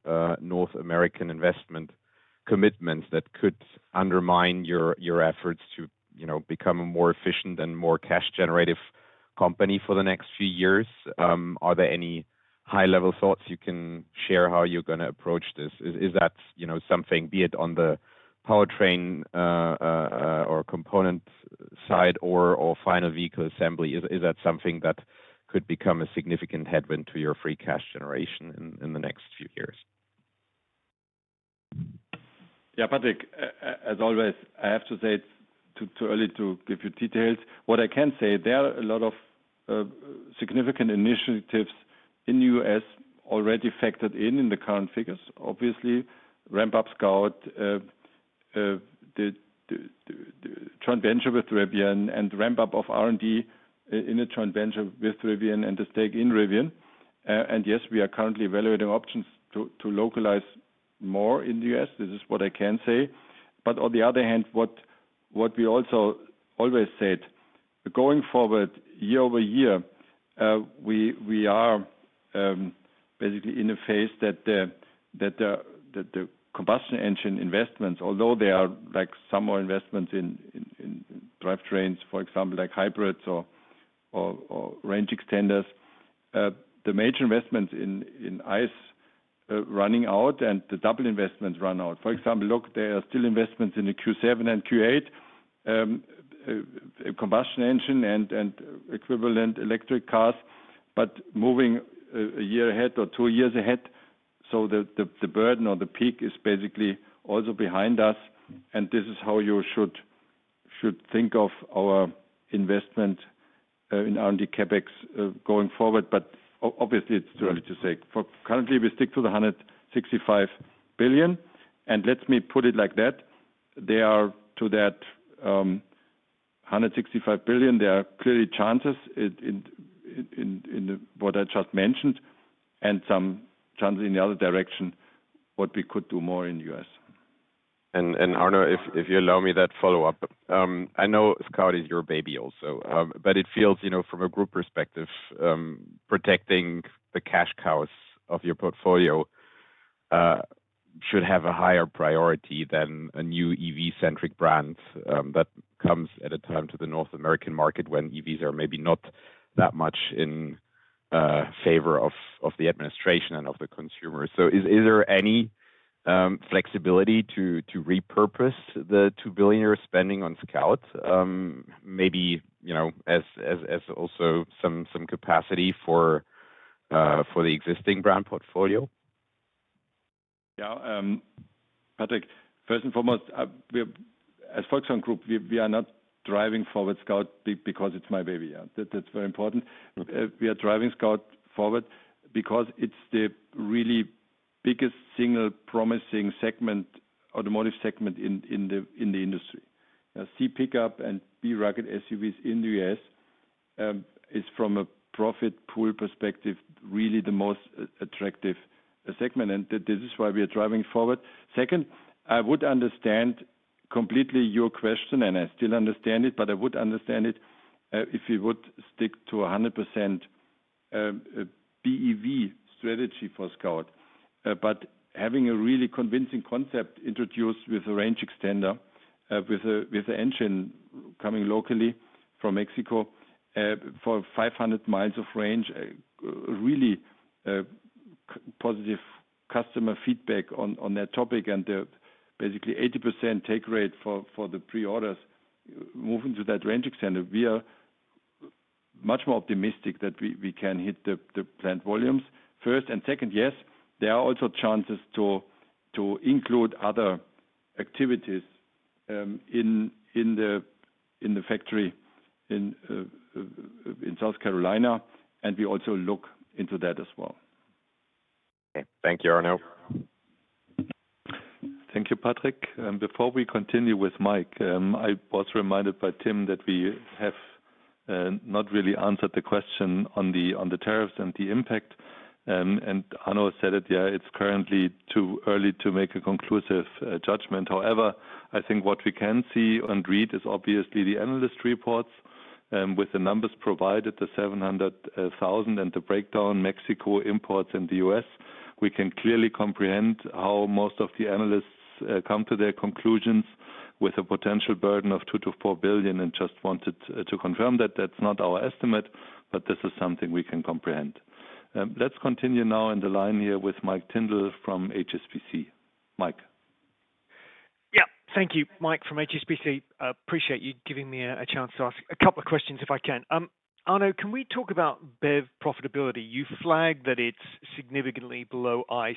Speaker 8: North American investment commitments that could undermine your efforts to become a more efficient and more cash-generative company for the next few years? Are there any high-level thoughts you can share how you're going to approach this? Is that something, be it on the powertrain or component side or final vehicle assembly, is that something that could become a significant headwind to your free cash generation in the next few years?
Speaker 4: Yeah, Patrick, as always, I have to say it's too early to give you details. What I can say, there are a lot of significant initiatives in the U.S. already factored in in the current figures, obviously. Ramp-up Scout, joint venture with Rivian, and ramp-up of R&D in a joint venture with Rivian and the stake in Rivian. Yes, we are currently evaluating options to localize more in the U.S. This is what I can say. On the other hand, what we also always said, going forward year over year, we are basically in a phase that the combustion engine investments, although there are some more investments in drivetrains, for example, like hybrids or range extenders, the major investments in ICE running out and the double investments run out. For example, look, there are still investments in the Q7 and Q8, combustion engine and equivalent electric cars, but moving a year ahead or two years ahead. The burden or the peak is basically also behind us. This is how you should think of our investment in R&D CapEx going forward. Obviously, it's too early to say. Currently, we stick to the 165 billion. Let me put it like that. To that 165 billion, there are clearly chances in what I just mentioned and some chances in the other direction, what we could do more in the U.S.
Speaker 8: Arno, if you allow me that follow-up, I know Scout is your baby also, but it feels from a group perspective, protecting the cash cows of your portfolio should have a higher priority than a new EV-centric brand that comes at a time to the North American market when EVs are maybe not that much in favor of the administration and of the consumers. Is there any flexibility to repurpose the $2 billion spending on Scout, maybe as also some capacity for the existing brand portfolio?
Speaker 4: Patrick, first and foremost, as Volkswagen Group, we are not driving forward Scout because it's my baby. That's very important. We are driving Scout forward because it's the really biggest single promising segment, automotive segment in the industry. See, pickup and B-racket SUVs in the U.S. is, from a profit pool perspective, really the most attractive segment. This is why we are driving forward. Second, I would understand completely your question, and I still understand it, but I would understand it if we would stick to 100% BEV strategy for Scout. Having a really convincing concept introduced with a range extender, with an engine coming locally from Mexico for 500 mi of range, really positive customer feedback on that topic, and basically 80% take rate for the pre-orders moving to that range extender, we are much more optimistic that we can hit the plant volumes first. Second, yes, there are also chances to include other activities in the factory in South Carolina. We also look into that as well.
Speaker 3: Thank you, Arno. Thank you, Patrick. Before we continue with Mike, I was reminded by Tim that we have not really answered the question on the tariffs and the impact. Arno said it, yeah, it is currently too early to make a conclusive judgment. However, I think what we can see and read is obviously the analyst reports with the numbers provided, the 700,000 and the breakdown, Mexico imports and the U.S. We can clearly comprehend how most of the analysts come to their conclusions with a potential burden of $2 billion-$4 billion and just wanted to confirm that that's not our estimate, but this is something we can comprehend. Let's continue now in the line here with Mike Tyndall from HSBC. Mike.
Speaker 9: Yeah, thank you, Mike from HSBC. Appreciate you giving me a chance to ask a couple of questions if I can. Arno, can we talk about BEV profitability? You flagged that it's significantly below ICE.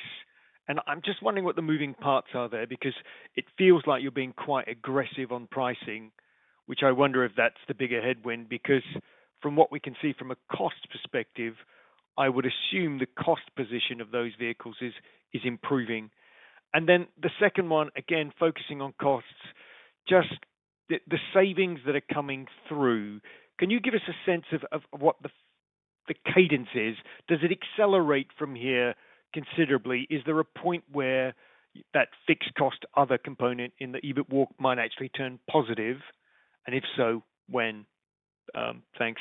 Speaker 9: I'm just wondering what the moving parts are there because it feels like you're being quite aggressive on pricing, which I wonder if that's the bigger headwind because from what we can see from a cost perspective, I would assume the cost position of those vehicles is improving. The second one, again, focusing on costs, just the savings that are coming through, can you give us a sense of what the cadence is? Does it accelerate from here considerably? Is there a point where that fixed cost other component in the EBIT walk might actually turn positive? If so, when? Thanks.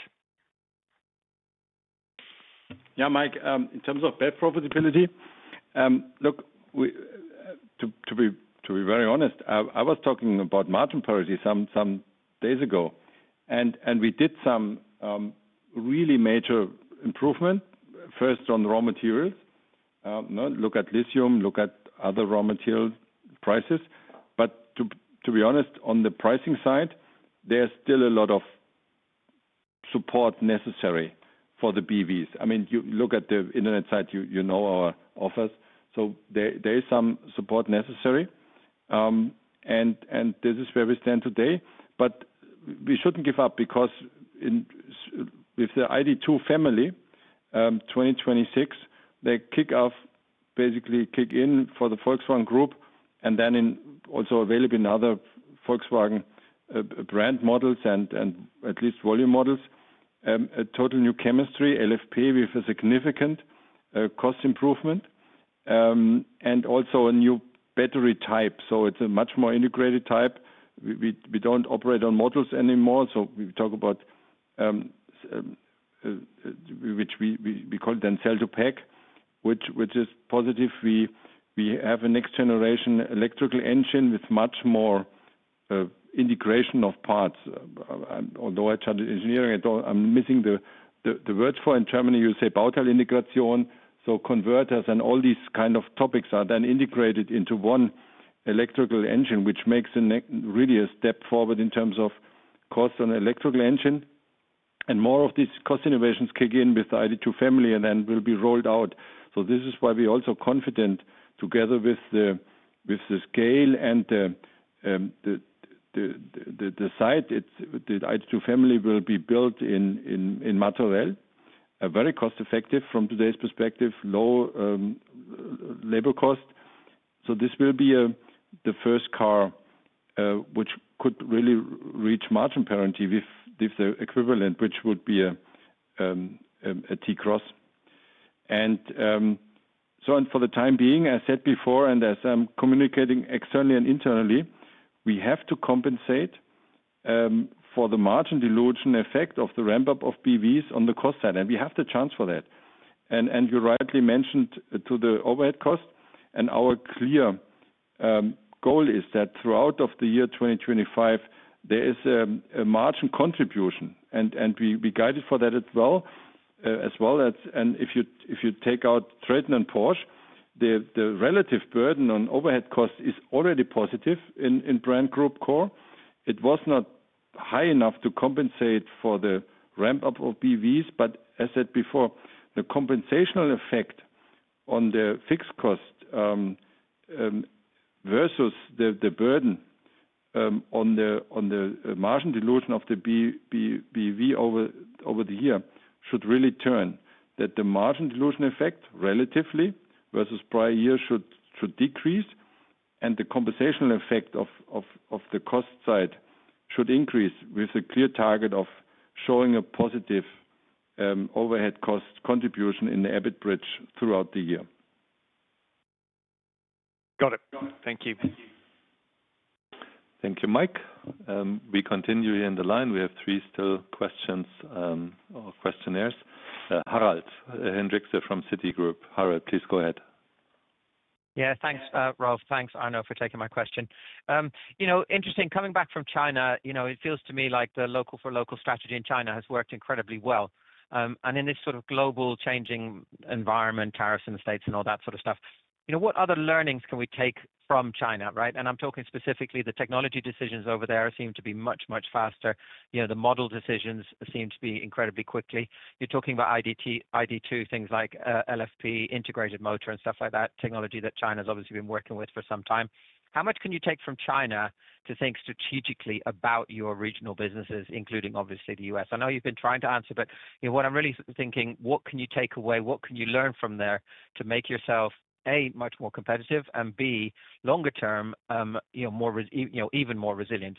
Speaker 4: Yeah, Mike, in terms of BEV profitability, look, to be very honest, I was talking about margin parity some days ago, and we did some really major improvement, first on raw materials. Look at lithium, look at other raw material prices. To be honest, on the pricing side, there's still a lot of support necessary for the BEVs. I mean, you look at the internet site, you know our offers. There is some support necessary. This is where we stand today. We shouldn't give up because with the ID.2 family, 2026, they kick off, basically kick in for the Volkswagen Group, and then also available in other Volkswagen brand models and at least volume models, a total new chemistry, LFP with a significant cost improvement, and also a new battery type. It is a much more integrated type. We do not operate on modules anymore. We talk about what we call then cell-to-pack, which is positive. We have a next-generation electrical engine with much more integration of parts. Although I chatted engineering, I am missing the word for it in Germany, you say Bauteilintegration. Converters and all these kind of topics are then integrated into one electrical engine, which makes really a step forward in terms of cost on electrical engine. More of these cost innovations kick in with the ID.2 family and then will be rolled out. This is why we are also confident together with the scale and the site, the ID.2 family will be built in Martorell, very cost-effective from today's perspective, low labor cost. This will be the first car which could really reach margin parity with the equivalent, which would be a T-Cross. For the time being, as I said before and as I am communicating externally and internally, we have to compensate for the margin dilution effect of the ramp-up of BEVs on the cost side. We have the chance for that. You rightly mentioned the overhead cost. Our clear goal is that throughout the year 2025, there is a margin contribution. We guided for that as well. If you take out Traton and Porsche, the relative burden on overhead cost is already positive in brand group core. It was not high enough to compensate for the ramp-up of BEVs. As I said before, the compensational effect on the fixed cost versus the burden on the margin dilution of the BEV over the year should really turn that the margin dilution effect relatively versus prior year should decrease. The compensational effect of the cost side should increase with a clear target of showing a positive overhead cost contribution in the EBIT bridge throughout the year.
Speaker 9: Got it. Thank you.
Speaker 3: Thank you, Mike. We continue here in the line. We have three still questions or questionnaires. Harald Hendriksen from Citigroup. Harald, please go ahead.
Speaker 10: Yeah, thanks, Rolf. Thanks, Arno, for taking my question. Interesting. Coming back from China, it feels to me like the local for local strategy in China has worked incredibly well. In this sort of global changing environment, tariffs in the States and all that sort of stuff, what other learnings can we take from China? I'm talking specifically the technology decisions over there seem to be much, much faster. The model decisions seem to be incredibly quickly. You're talking about ID.2, things like LFP, integrated motor, and stuff like that, technology that China has obviously been working with for some time. How much can you take from China to think strategically about your regional businesses, including obviously the U.S.? I know you've been trying to answer, but what I'm really thinking, what can you take away? What can you learn from there to make yourself, A, much more competitive, and B, longer term, even more resilient?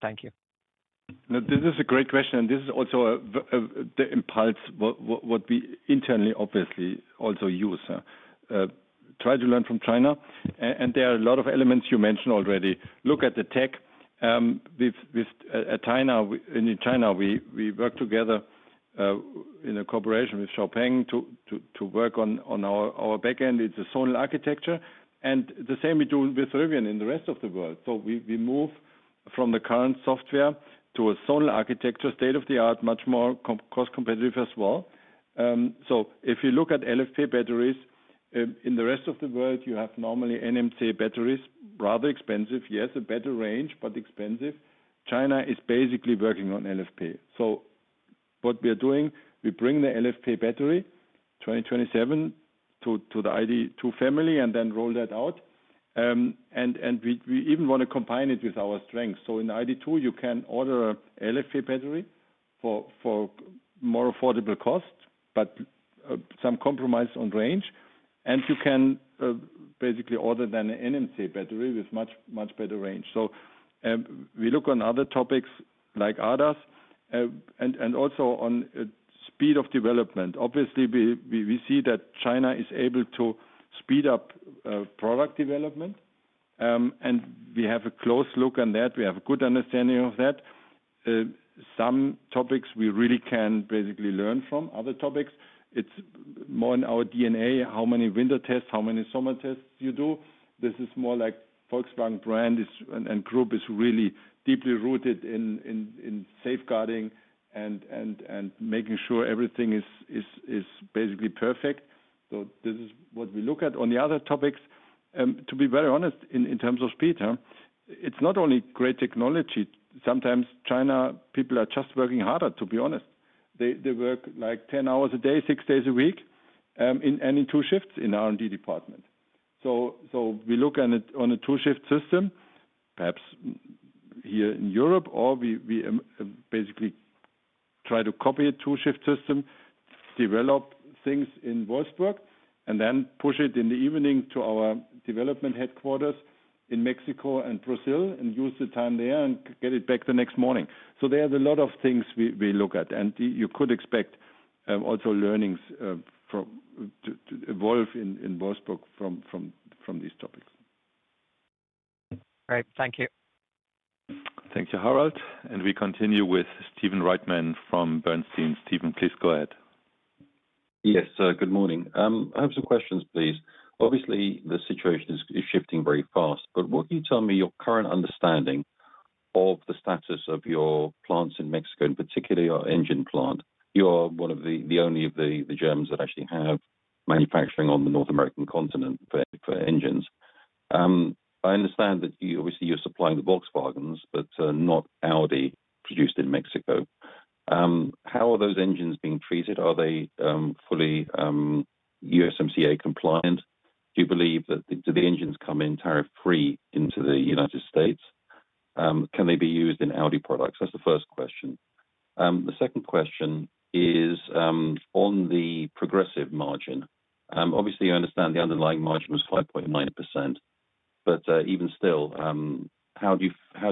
Speaker 4: Thank you. This is a great question. This is also the impulse what we internally obviously also use. Try to learn from China. There are a lot of elements you mentioned already. Look at the tech. In China, we work together in a cooperation with XPeng to work on our backend. It is a solar architecture. The same we do with Rivian in the rest of the world. We move from the current software to a solar architecture, state of the art, much more cost competitive as well. If you look at LFP batteries, in the rest of the world, you have normally NMC batteries, rather expensive. Yes, a better range, but expensive. China is basically working on LFP. What we are doing, we bring the LFP battery 2027 to the ID.2 family and then roll that out. We even want to combine it with our strengths. In ID.2, you can order an LFP battery for more affordable cost, but some compromise on range. You can basically order then an NMC battery with much better range. We look on other topics like ADAS and also on speed of development. Obviously, we see that China is able to speed up product development. We have a close look on that. We have a good understanding of that. Some topics we really can basically learn from. Other topics, it is more in our DNA, how many winter tests, how many summer tests you do. This is more like Volkswagen brand and group is really deeply rooted in safeguarding and making sure everything is basically perfect. This is what we look at. On the other topics, to be very honest, in terms of speed, it's not only great technology. Sometimes China people are just working harder, to be honest. They work like 10 hours a day, six days a week, and in two shifts in R&D department. We look on a two-shift system, perhaps here in Europe, or we basically try to copy a two-shift system, develop things in Wolfsburg, and then push it in the evening to our development headquarters in Mexico and Brazil and use the time there and get it back the next morning. There are a lot of things we look at. You could expect also learnings to evolve in Wolfsburg from these topics.
Speaker 10: Great. Thank you.
Speaker 11: Thank you, Harald. We continue with Stephen Reitman from Bernstein. Stephen, please go ahead. Yes, good morning. I have some questions, please. Obviously, the situation is shifting very fast. What can you tell me your current understanding of the status of your plants in Mexico, in particular your engine plant? You are one of the only Germans that actually have manufacturing on the North American continent for engines. I understand that obviously you're supplying the Volkswagens, but not Audi produced in Mexico. How are those engines being treated? Are they fully USMCA compliant? Do you believe that the engines come in tariff-free into the United States? Can they be used in Audi products? That's the first question. The second question is on the progressive margin. Obviously, I understand the underlying margin was 5.9%. Even still, how do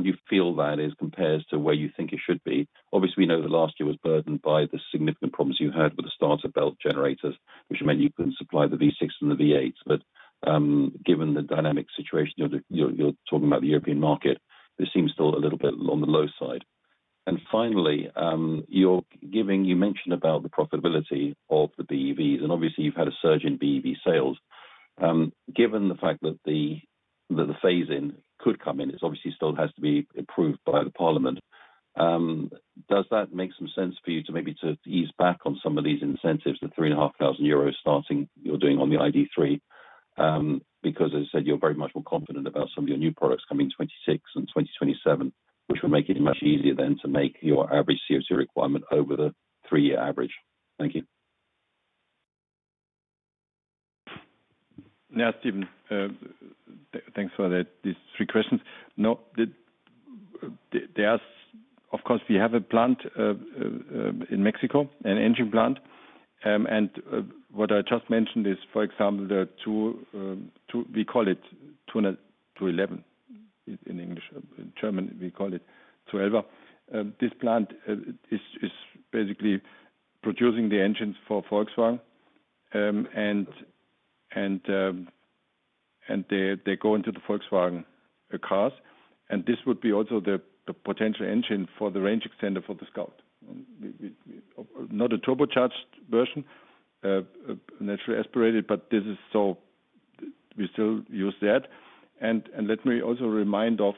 Speaker 11: you feel that is compared to where you think it should be? Obviously, we know that last year was burdened by the significant problems you had with the starter belt generators, which meant you couldn't supply the V6 and the V8s. Given the dynamic situation, you're talking about the European market, it seems still a little bit on the low side. Finally, you mentioned about the profitability of the BEVs. Obviously, you've had a surge in BEV sales. Given the fact that the phase-in could come in, it obviously still has to be approved by the parliament. Does that make some sense for you to maybe ease back on some of these incentives, the 3,500 euros starting you're doing on the ID.3? As I said, you're very much more confident about some of your new products coming in 2026 and 2027, which will make it much easier then to make your average CO2 requirement over the three-year average. Thank you.
Speaker 4: Yeah, Stephen, thanks for these three questions. Of course, we have a plant in Mexico, an engine plant. What I just mentioned is, for example, we call it 211 in English. In German, we call it 12. This plant is basically producing the engines for Volkswagen. They go into the Volkswagen cars. This would be also the potential engine for the range extender for the Scout. Not a turbocharged version, naturally aspirated, but this is so we still use that. Let me also remind of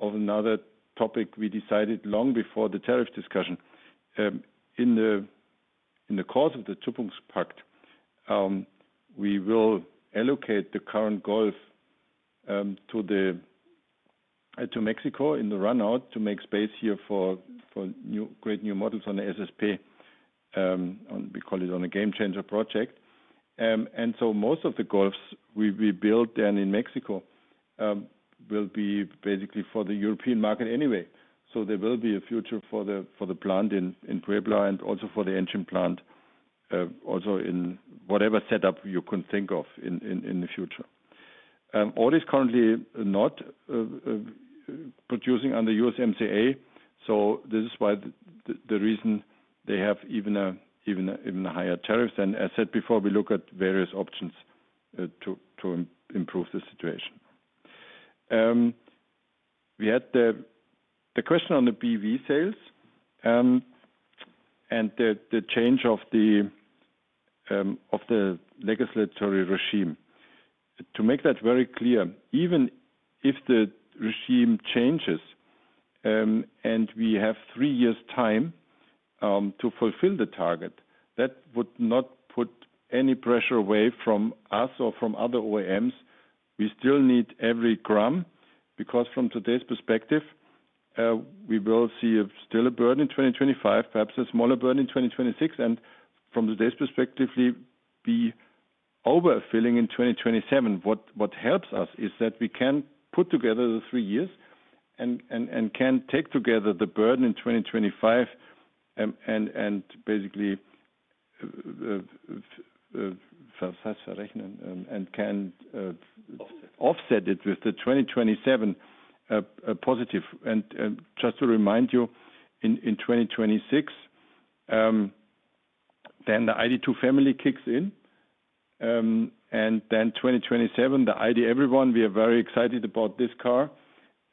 Speaker 4: another topic we decided long before the tariff discussion. In the course of the Tupperburg's pact, we will allocate the current Golf to Mexico in the run-out to make space here for great new models on the SSP. We call it a game-changer project. Most of the Golfs we build then in Mexico will be basically for the European market anyway. There will be a future for the plant in Puebla and also for the engine plant, also in whatever setup you could think of in the future. Audi is currently not producing under USMCA. This is why the reason they have even a higher tariff. As I said before, we look at various options to improve the situation. We had the question on the BEV sales and the change of the legislatory regime. To make that very clear, even if the regime changes and we have three years' time to fulfill the target, that would not put any pressure away from us or from other OEMs. We still need every gram because from today's perspective, we will see still a burden in 2025, perhaps a smaller burden in 2026. From today's perspective, we will be overfilling in 2027. What helps us is that we can put together the three years and can take together the burden in 2025 and basically offset it with the 2027 positive. Just to remind you, in 2026, the ID.2 family kicks in. In 2027, the ID.1, we are very excited about this car.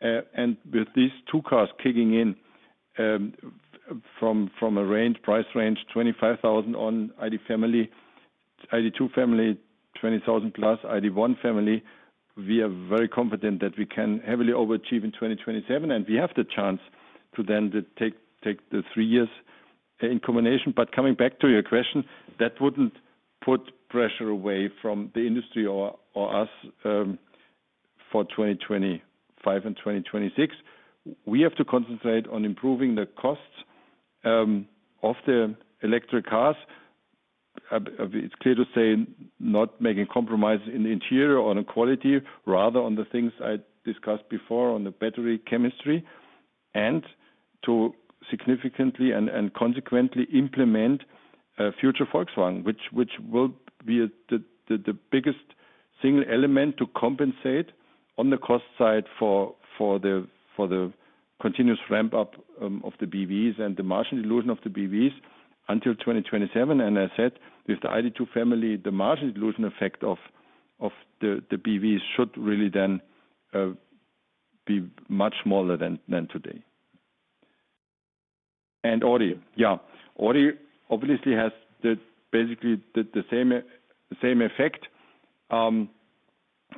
Speaker 4: With these two cars kicking in from a price range, 25,000 on ID family, ID.2 family, 20,000 plus, ID.1 family, we are very confident that we can heavily overachieve in 2027. We have the chance to then take the three years in combination. Coming back to your question, that would not put pressure away from the industry or us for 2025 and 2026. We have to concentrate on improving the costs of the electric cars. It is clear to say not making compromises in the interior on quality, rather on the things I discussed before on the battery chemistry, and to significantly and consequently implement future Volkswagen, which will be the biggest single element to compensate on the cost side for the continuous ramp-up of the BEVs and the margin dilution of the BEVs until 2027. As I said, with the ID.2 family, the margin dilution effect of the BEVs should really then be much smaller than today. Audi, yeah. Audi obviously has basically the same effect.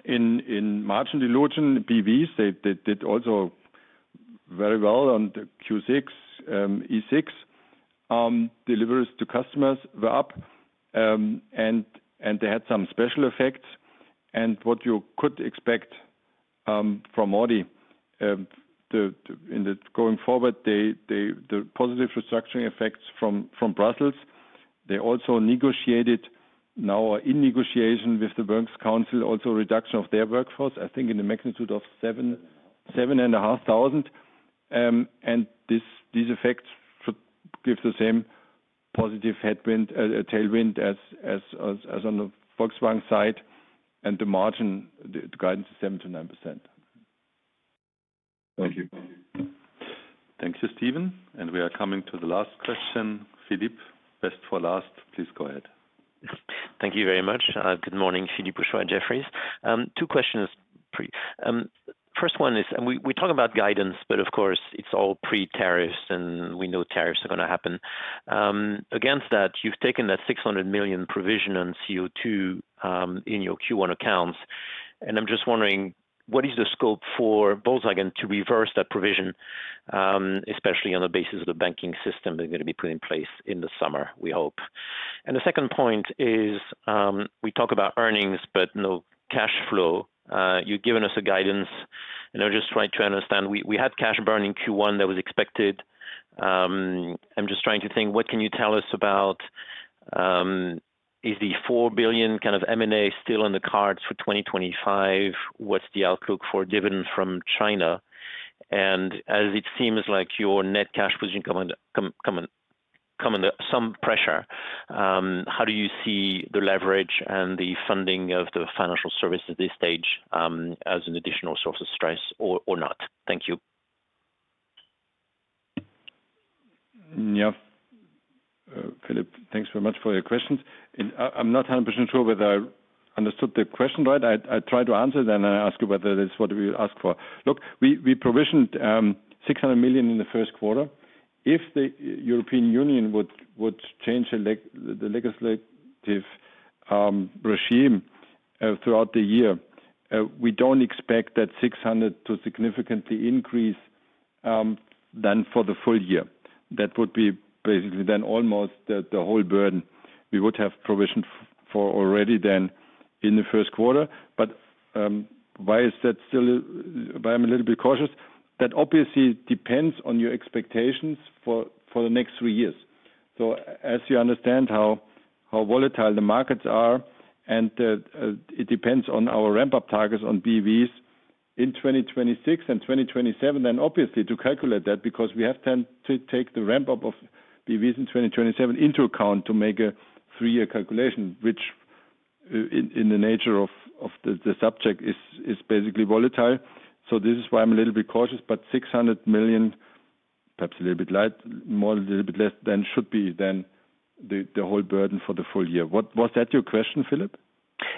Speaker 4: In margin dilution, BEVs, they did also very well on the Q6, E6. Deliveries to customers were up, and they had some special effects. What you could expect from Audi going forward, the positive restructuring effects from Brussels. They also negotiated now or are in negotiation with the Works Council, also reduction of their workforce, I think in the magnitude of 7,500. These effects give the same positive tailwind as on the Volkswagen side. The margin guidance is 7%-9%.
Speaker 11: Thank you.
Speaker 3: Thank you, Stephen. We are coming to the last question. Philippe, best for last. Please go ahead.
Speaker 12: Thank you very much. Good morning, Philippe Houchois, Jefferies. Two questions. First one is, we talk about guidance, but of course, it is all pre-tariffs, and we know tariffs are going to happen. Against that, you have taken that 600 million provision on CO2 in your Q1 accounts. I'm just wondering, what is the scope for Volkswagen to reverse that provision, especially on the basis of the banking system that's going to be put in place in the summer, we hope? The second point is, we talk about earnings, but no cash flow. You've given us a guidance. I'm just trying to understand. We had cash burn in Q1 that was expected. I'm just trying to think, what can you tell us about, is the 4 billion kind of M&A still on the cards for 2025? What's the outlook for dividend from China? As it seems like your net cash position comes under some pressure, how do you see the leverage and the funding of the financial services at this stage as an additional source of stress or not?
Speaker 4: Thank you. Yeah. Philippe, thanks very much for your questions. I'm not 100% sure whether I understood the question right. I try to answer it, and I ask you whether it's what we ask for. Look, we provisioned 600 million in the first quarter. If the European Union would change the legislative regime throughout the year, we don't expect that 600 million to significantly increase then for the full year. That would be basically then almost the whole burden we would have provisioned for already then in the first quarter. That is still why I'm a little bit cautious. That obviously depends on your expectations for the next three years. As you understand how volatile the markets are, and it depends on our ramp-up targets on BEVs in 2026 and 2027, then obviously to calculate that, because we have time to take the ramp-up of BEVs in 2027 into account to make a three-year calculation, which in the nature of the subject is basically volatile. This is why I'm a little bit cautious, but 600 million, perhaps a little bit less, then should be the whole burden for the full year.
Speaker 3: Was that your question, Philippe?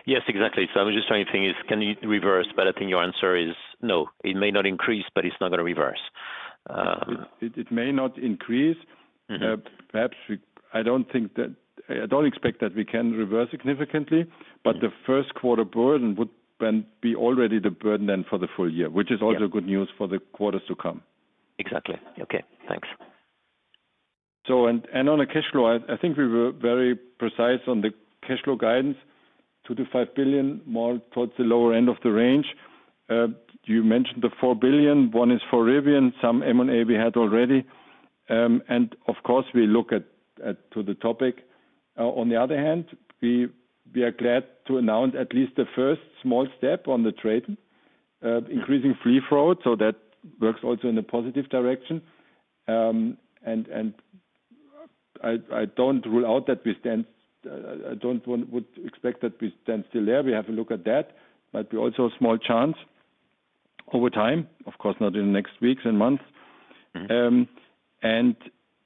Speaker 12: Yes, exactly. I was just trying to think, can you reverse? I think your answer is no. It may not increase, but it's not going to reverse. It may not increase.
Speaker 4: Perhaps I do not expect that we can reverse significantly, but the first quarter burden would then be already the burden then for the full year, which is also good news for the quarters to come.
Speaker 12: Exactly. Okay. Thanks.
Speaker 4: On the cash flow, I think we were very precise on the cash flow guidance, 2 billion-5 billion, more towards the lower end of the range. You mentioned the 4 billion. One is EUR 4 billion. Some M&A we had already. Of course, we look at the topic. On the other hand, we are glad to announce at least the first small step on the trade, increasing fleet float. That works also in a positive direction. I do not rule out that we stand, I do not expect that we stand still there. We have a look at that, but we also have a small chance over time, of course, not in the next weeks and months.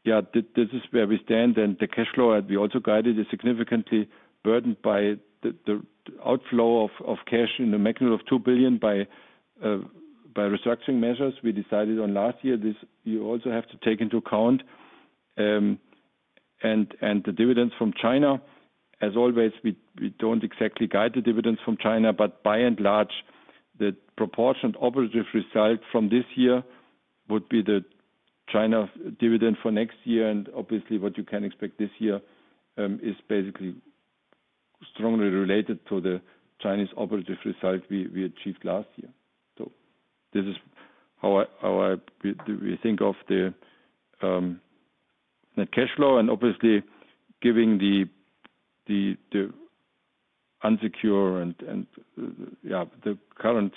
Speaker 4: Yeah, this is where we stand. The cash flow that we also guided is significantly burdened by the outflow of cash in the magnitude of 2 billion by restructuring measures we decided on last year. You also have to take into account the dividends from China. As always, we do not exactly guide the dividends from China, but by and large, the proportionate operative result from this year would be the China dividend for next year. Obviously, what you can expect this year is basically strongly related to the Chinese operative result we achieved last year. This is how we think of the net cash flow. Obviously, given the unsecure and the current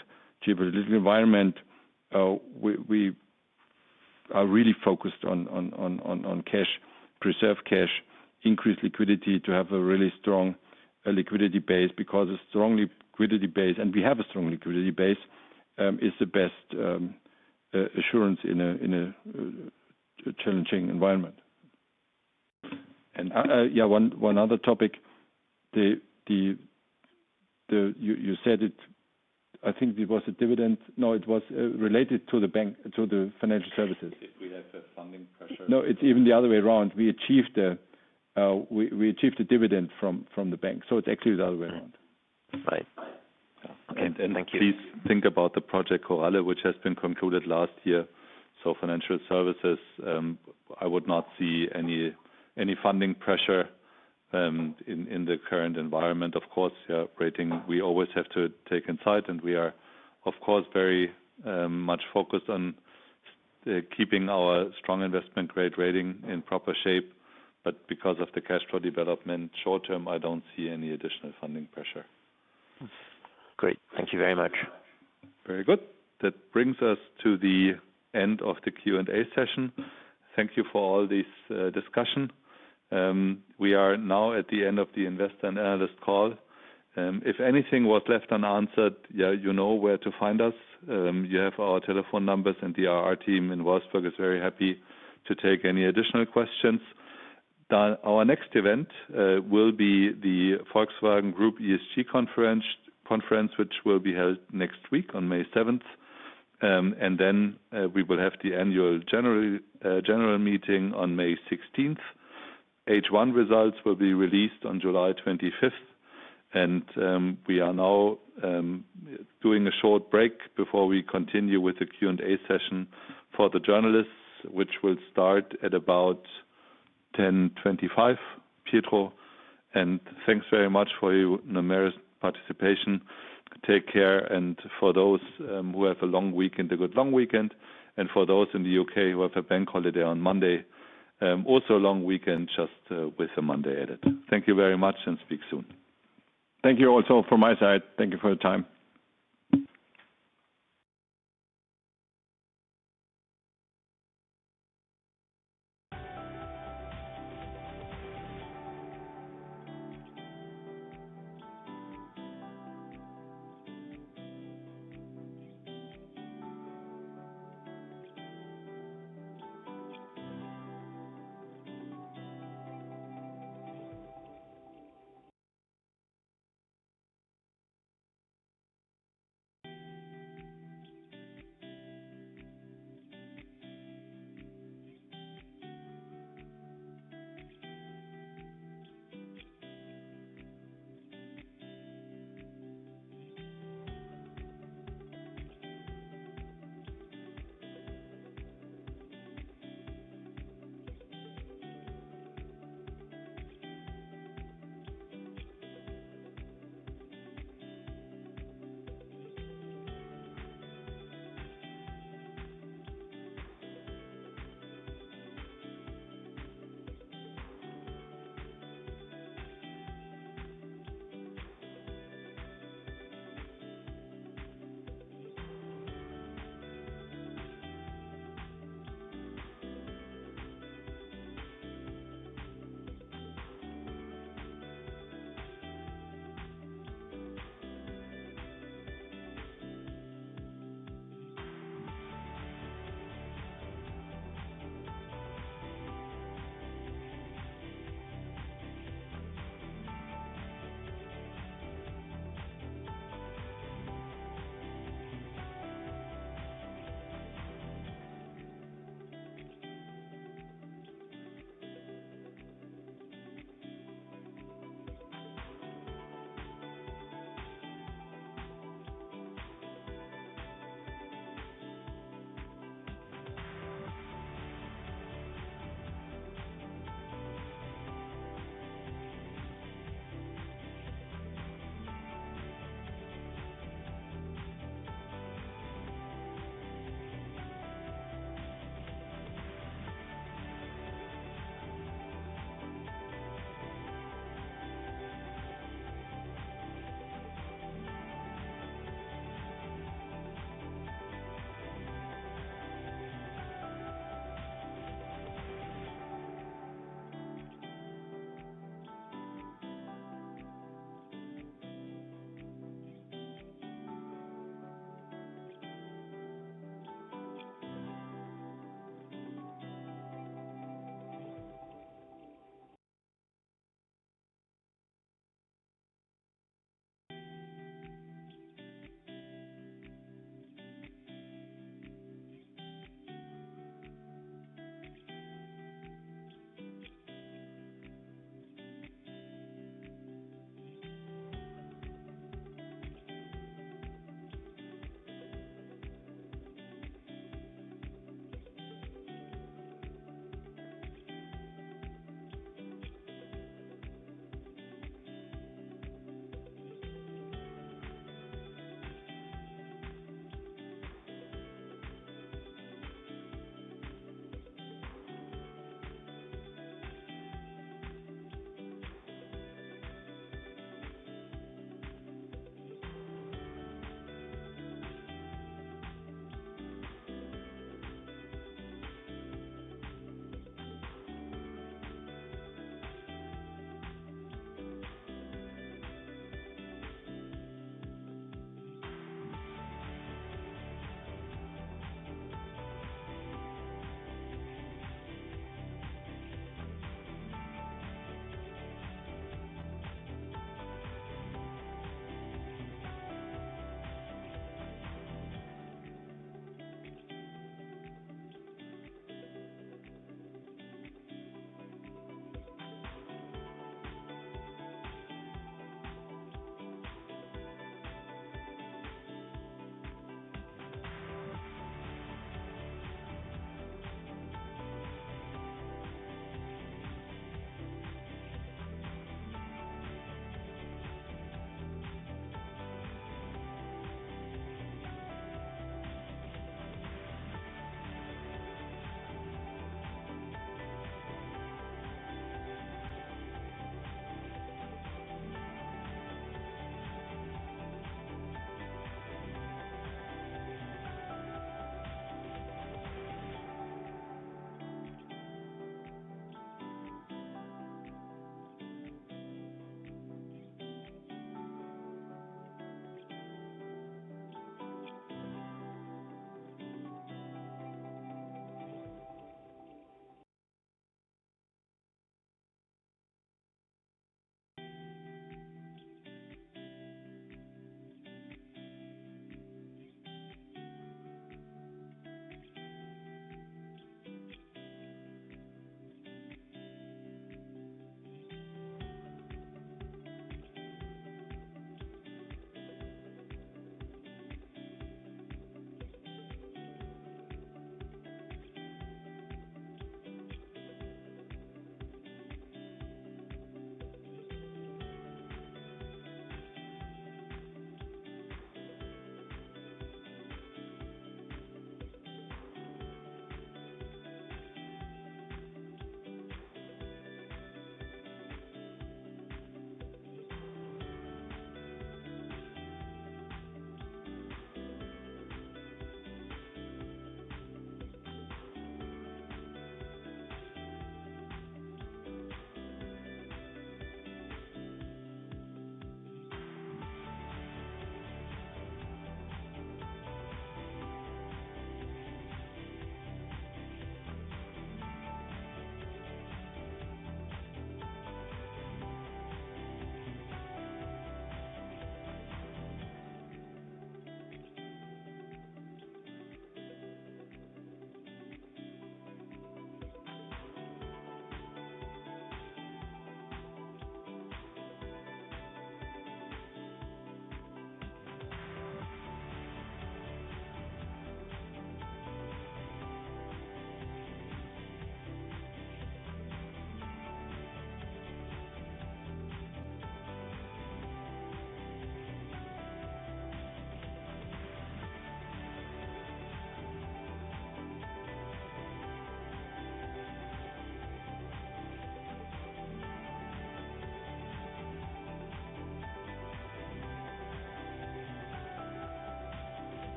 Speaker 4: geopolitical environment, we are really focused on cash, preserve cash, increase liquidity to have a really strong liquidity base because a strong liquidity base, and we have a strong liquidity base, is the best assurance in a challenging environment.
Speaker 12: Yeah, one other topic. You said it, I think it was a dividend. No, it was related to the financial services.
Speaker 4: We have a funding pressure.
Speaker 3: No, it's even the other way around. We achieved the dividend from the bank. So it's actually the other way around. Right. Okay. Thank you. Please think about the Project Corral, which has been concluded last year. Financial services, I would not see any funding pressure in the current environment.
Speaker 4: Of course, we always have to take insight, and we are, of course, very much focused on keeping our strong investment grade rating in proper shape. Because of the cash flow development short term, I do not see any additional funding pressure.
Speaker 12: Great. Thank you very much.
Speaker 3: Very good. That brings us to the end of the Q&A session. Thank you for all this discussion. We are now at the end of the investor and analyst call. If anything was left unanswered, you know where to find us. You have our telephone numbers, and the IR team in Wolfsburg is very happy to take any additional questions. Our next event will be the Volkswagen Group ESG Conference, which will be held next week on May 7th. We will have the annual general meeting on May 16th. H1 results will be released on July 25th. We are now doing a short break before we continue with the Q&A session for the journalists, which will start at about 10:25. Pietro, and thanks very much for your numerous participation. Take care. For those who have a long weekend, a good long weekend, and for those in the U.K. who have a bank holiday on Monday, also a long weekend just with a Monday edit. Thank you very much and speak soon.
Speaker 4: Thank you also from my side. Thank you for your time.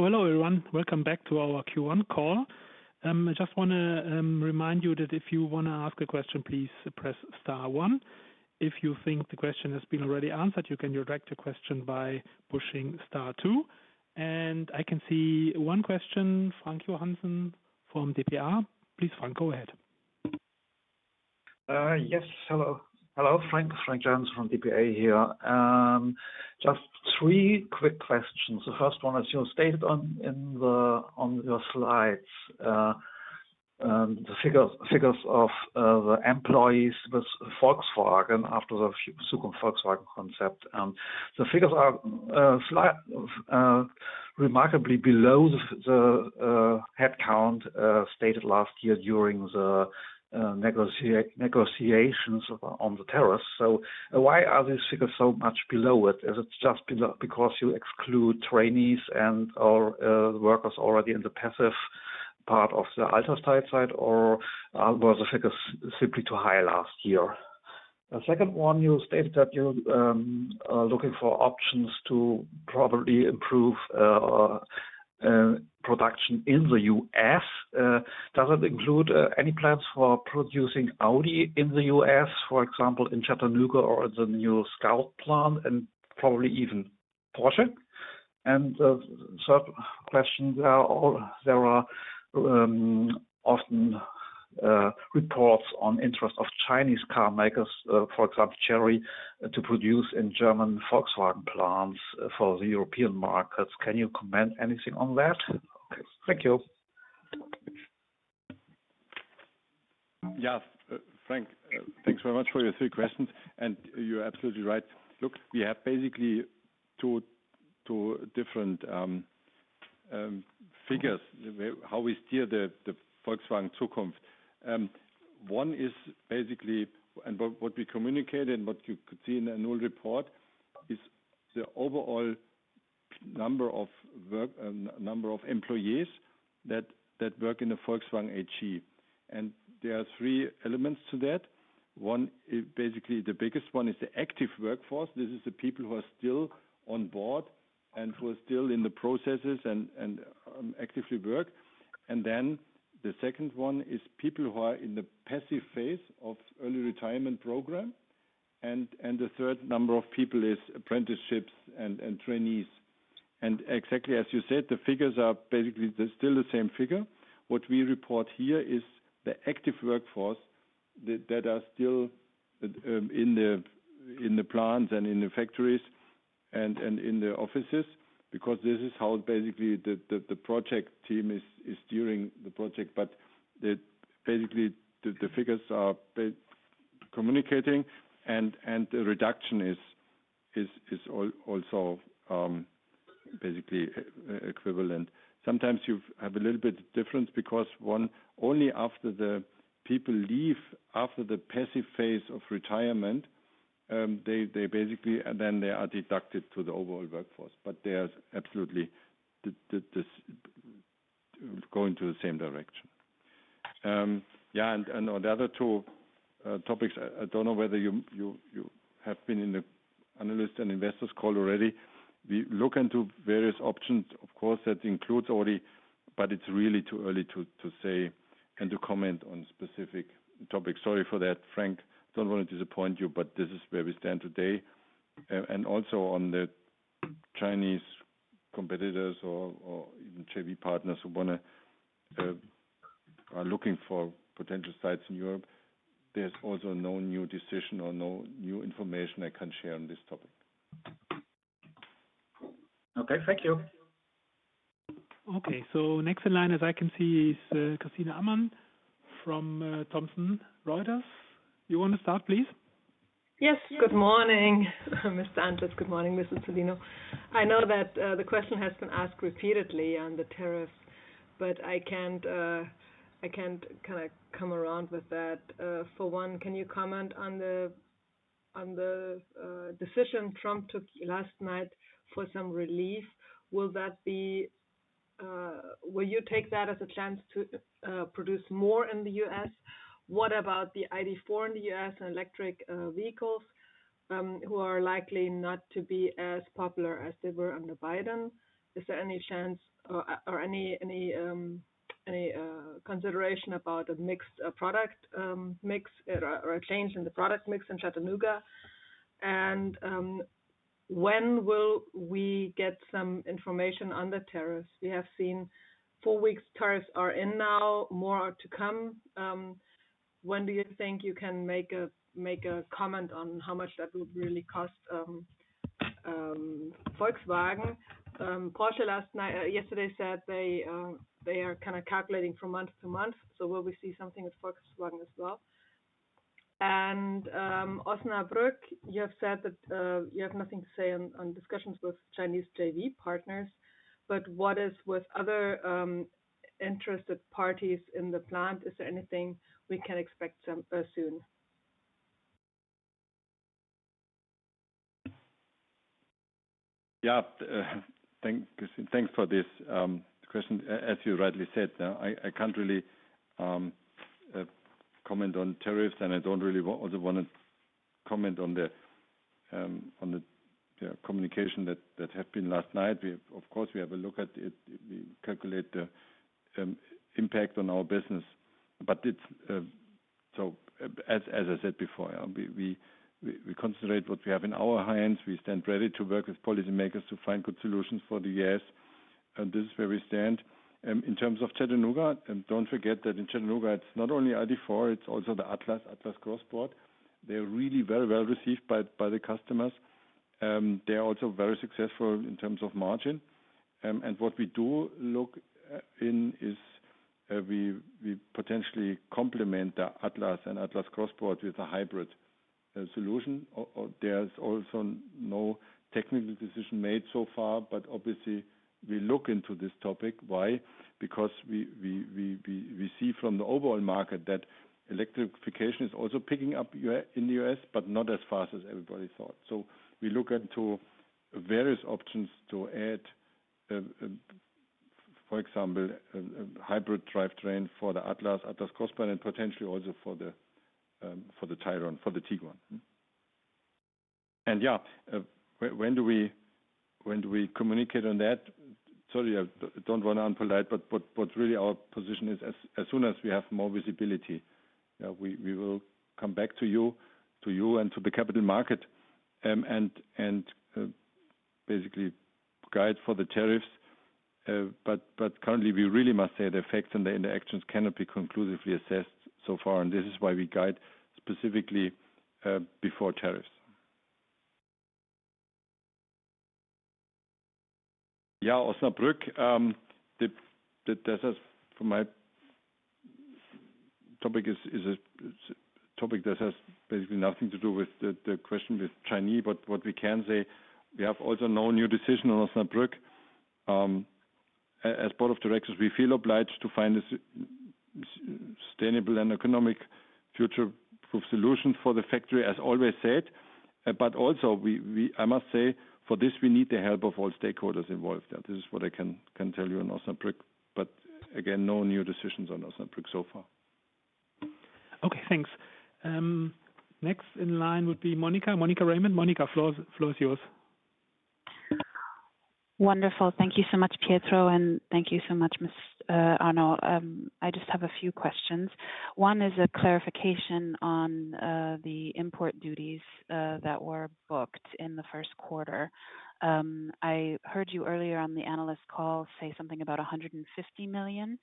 Speaker 1: Hello, everyone. Welcome back to our Q1 call. I just want to remind you that if you want to ask a question, please press star one. If you think the question has been already answered, you can direct the question by pushing star two. I can see one question, Frank Johansen from DPA. Please, Frank, go ahead.
Speaker 13: Yes, hello. Hello, Frank. Frank Johansen from DPA here. Just three quick questions. The first one, as you stated on your slides, the figures of the employees with Volkswagen after the Zukunft Volkswagen concept. The figures are remarkably below the headcount stated last year during the negotiations on the terrace. Why are these figures so much below it? Is it just because you exclude trainees and/or workers already in the passive part of the Altersteilzeit side, or were the figures simply too high last year? The second one, you stated that you are looking for options to probably improve production in the U.S. Does it include any plans for producing Audi in the U.S., for example, in Chattanooga or the new Scout plant and probably even Porsche? The third question, there are often reports on interest of Chinese car makers, for example, Chery, to produce in German Volkswagen plants for the European markets. Can you comment on anything on that? Okay. Thank you.
Speaker 4: Yes, Frank, thanks very much for your three questions. You are absolutely right. Look, we have basically two different figures, how we steer the Volkswagen Zukunft. One is basically, and what we communicated, what you could see in the annual report, is the overall number of employees that work in the Volkswagen HE. There are three elements to that. Basically, the biggest one is the active workforce. This is the people who are still on board and who are still in the processes and actively work. The second one is people who are in the passive phase of early retirement program. The third number of people is apprenticeships and trainees. Exactly as you said, the figures are basically still the same figure. What we report here is the active workforce that are still in the plants and in the factories and in the offices because this is how basically the project team is steering the project. Basically, the figures are communicating, and the reduction is also basically equivalent. Sometimes you have a little bit of difference because only after the people leave after the passive phase of retirement, they basically then are deducted to the overall workforce. They are absolutely going to the same direction. Yeah. On the other two topics, I do not know whether you have been in the analysts and investors call already. We look into various options, of course, that includes Audi, but it's really too early to say and to comment on specific topics. Sorry for that, Frank. I do not want to disappoint you, but this is where we stand today. Also, on the Chinese competitors or even Chevy partners who are looking for potential sites in Europe, there is also no new decision or no new information I can share on this topic.
Speaker 1: Thank you. Next in line, as I can see, is Christina Amann from Thomson Reuters. You want to start, please?
Speaker 14: Yes. Good morning, Mr. Antlitz. Good morning, Mr. Zollino. I know that the question has been asked repeatedly on the tariffs, but I cannot kind of come around with that. For one, can you comment on the decision Trump took last night for some relief? Will you take that as a chance to produce more in the U.S.? What about the ID.4 in the U.S. and electric vehicles who are likely not to be as popular as they were under Biden? Is there any chance or any consideration about a mixed product mix or a change in the product mix in Chattanooga? When will we get some information on the tariffs? We have seen four weeks' tariffs are in now, more are to come. When do you think you can make a comment on how much that would really cost Volkswagen? Porsche yesterday said they are kind of calculating from month to month. Will we see something with Volkswagen as well? Osnabrück, you have said that you have nothing to say on discussions with Chinese joint venture partners. What is with other interested parties in the plant? Is there anything we can expect soon?
Speaker 4: Yeah. Thanks for this question. As you rightly said, I can't really comment on tariffs, and I don't really also want to comment on the communication that had been last night. Of course, we have a look at it. We calculate the impact on our business. As I said before, we concentrate what we have in our hands. We stand ready to work with policymakers to find good solutions for the U.S. This is where we stand. In terms of Chattanooga, don't forget that in Chattanooga, it's not only ID.4, it's also the Atlas Cross Sport. They're really very well received by the customers. They're also very successful in terms of margin. What we do look in is we potentially complement the Atlas and Atlas Cross Sport with a hybrid solution. There's also no technical decision made so far, but obviously, we look into this topic. Why? Because we see from the overall market that electrification is also picking up in the U.S., but not as fast as everybody thought. We look into various options to add, for example, a hybrid drivetrain for the Atlas Cross Sport and potentially also for the Tiguan. Yeah, when do we communicate on that? Sorry, I don't want to be unpolite, but really our position is as soon as we have more visibility, we will come back to you and to the capital market and basically guide for the tariffs. Currently, we really must say the effects and the interactions cannot be conclusively assessed so far. This is why we guide specifically before tariffs. Yeah, Osnabrück, that for my topic is a topic that has basically nothing to do with the question with Chinese, but what we can say, we have also no new decision on Osnabrück. As Board of Directors, we feel obliged to find a sustainable and economic future-proof solution for the factory, as always said. Also, I must say, for this, we need the help of all stakeholders involved. This is what I can tell you on Osnabrück. Again, no new decisions on Osnabrück so far.
Speaker 14: Okay. Thanks.
Speaker 1: Next in line would be Monica. Monica Raymond. Monica, floor is yours.
Speaker 15: Wonderful. Thank you so much, Pietro, and thank you so much, Mr. Arno. I just have a few questions. One is a clarification on the import duties that were booked in the first quarter. I heard you earlier on the analyst call say something about 150 million,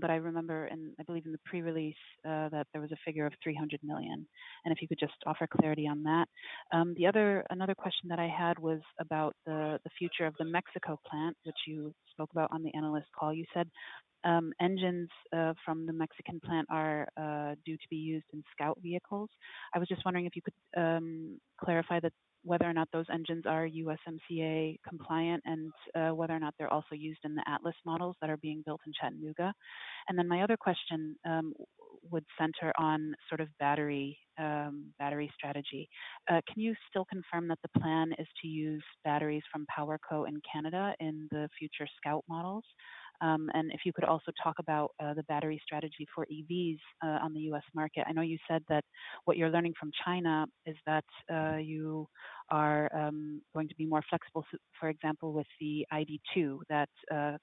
Speaker 15: but I remember, and I believe in the pre-release, that there was a figure of 300 million. If you could just offer clarity on that. Another question that I had was about the future of the Mexico plant, which you spoke about on the analyst call. You said engines from the Mexican plant are due to be used in Scout vehicles. I was just wondering if you could clarify whether or not those engines are USMCA compliant and whether or not they're also used in the Atlas models that are being built in Chattanooga. My other question would center on sort of battery strategy. Can you still confirm that the plan is to use batteries from PowerCo in Canada in the future Scout models? If you could also talk about the battery strategy for EVs on the U.S. market. I know you said that what you're learning from China is that you are going to be more flexible, for example, with the ID.2, that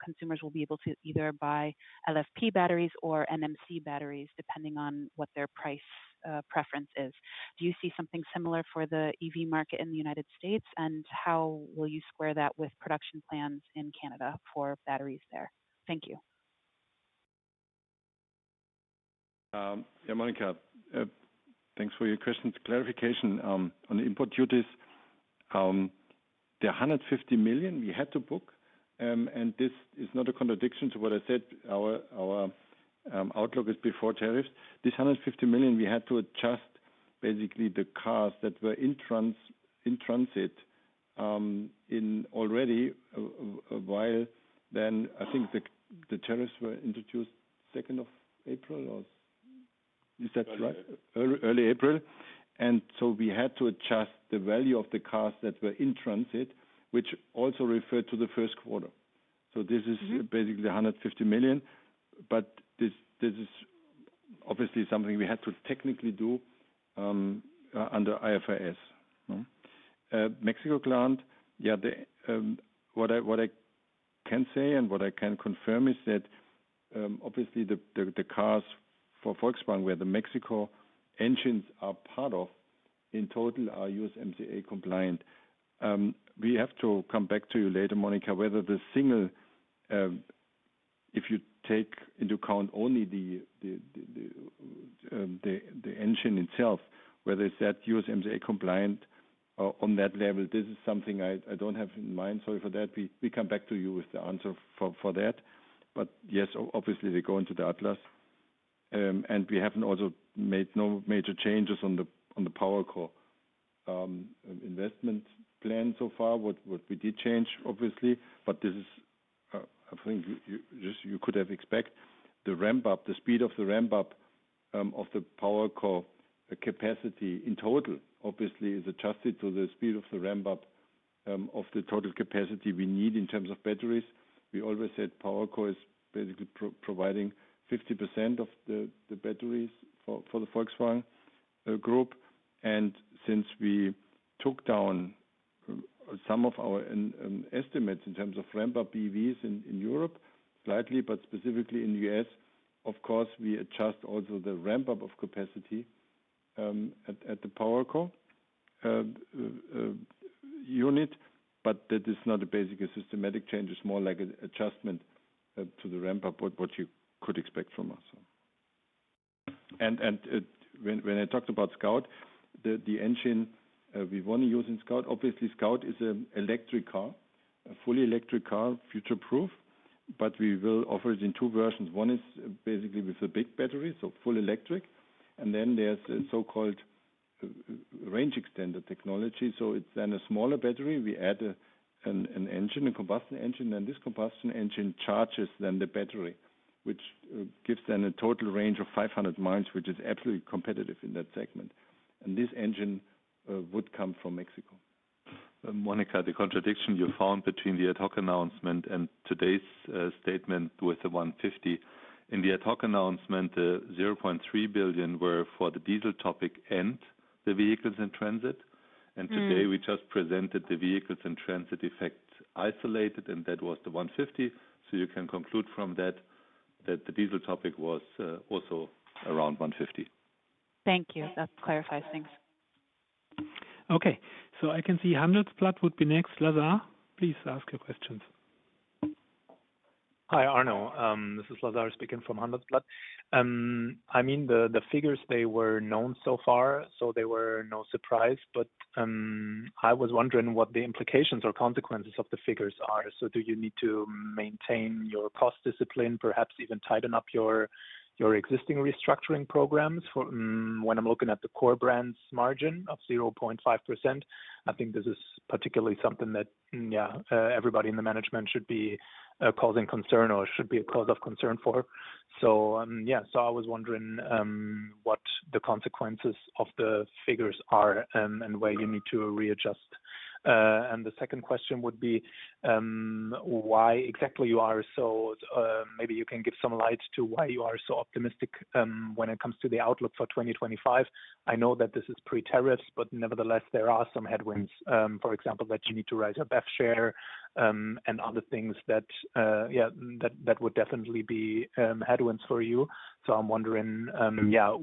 Speaker 15: consumers will be able to either buy LFP batteries or NMC batteries depending on what their price preference is. Do you see something similar for the EV market in the United States, and how will you square that with production plans in Canada for batteries there?
Speaker 4: Thank you. Yeah, Monica, thanks for your questions. Clarification on the import duties. The 150 million we had to book, and this is not a contradiction to what I said. Our outlook is before tariffs. This 150 million, we had to adjust basically the cars that were in transit already while the tariffs were introduced second of April, or is that right? Early April. We had to adjust the value of the cars that were in transit, which also referred to the first quarter. This is basically 150 million, but this is obviously something we had to technically do under IFRS. Mexico plant, yeah, what I can say and what I can confirm is that obviously the cars for Volkswagen, where the Mexico engines are part of, in total are USMCA compliant. We have to come back to you later, Monica, whether the single, if you take into account only the engine itself, whether it is USMCA compliant on that level, this is something I do not have in mind. Sorry for that. We come back to you with the answer for that. Yes, obviously, they go into the Atlas. We have not made any major changes on the PowerCo investment plan so far. What we did change, obviously, but this is, I think, you could have expected. The ramp-up, the speed of the ramp-up of the PowerCo capacity in total, obviously, is adjusted to the speed of the ramp-up of the total capacity we need in terms of batteries. We always said PowerCo is basically providing 50% of the batteries for the Volkswagen Group. Since we took down some of our estimates in terms of ramp-up EVs in Europe slightly, but specifically in the U.S., of course, we adjust also the ramp-up of capacity at the PowerCo unit. That is not a basic systematic change. It's more like an adjustment to the ramp-up, what you could expect from us. When I talked about Scout, the engine we want to use in Scout, obviously, Scout is an electric car, a fully electric car, future-proof. We will offer it in two versions. One is basically with a big battery, so full electric. There is a so-called range extender technology. It is then a smaller battery. We add an engine, a combustion engine, and this combustion engine charges then the battery, which gives then a total range of 500 mi, which is absolutely competitive in that segment. This engine would come from Mexico. Monica, the contradiction you found between the ad hoc announcement and today's statement with the 150. In the ad hoc announcement, the 0.3 billion were for the diesel topic and the vehicles in transit. Today, we just presented the vehicles in transit effect isolated, and that was the 150. You can conclude from that that the diesel topic was also around 150.
Speaker 15: Thank you. That clarifies things.
Speaker 1: Okay. I can see Handelsblatt would be next. Lazar, please ask your questions.
Speaker 16: Hi, Arno. This is Lazar speaking from Handelsblatt. I mean, the figures, they were known so far, so they were no surprise. I was wondering what the implications or consequences of the figures are. Do you need to maintain your cost discipline, perhaps even tighten up your existing restructuring programs when I am looking at the core brand's margin of 0.5%? I think this is particularly something that, yeah, everybody in the management should be causing concern or should be a cause of concern for. Yeah, I was wondering what the consequences of the figures are and where you need to readjust. The second question would be why exactly you are so, maybe you can give some light to why you are so optimistic when it comes to the outlook for 2025. I know that this is pre-tariffs, but nevertheless, there are some headwinds, for example, that you need to write a BEV share and other things that would definitely be headwinds for you. I am wondering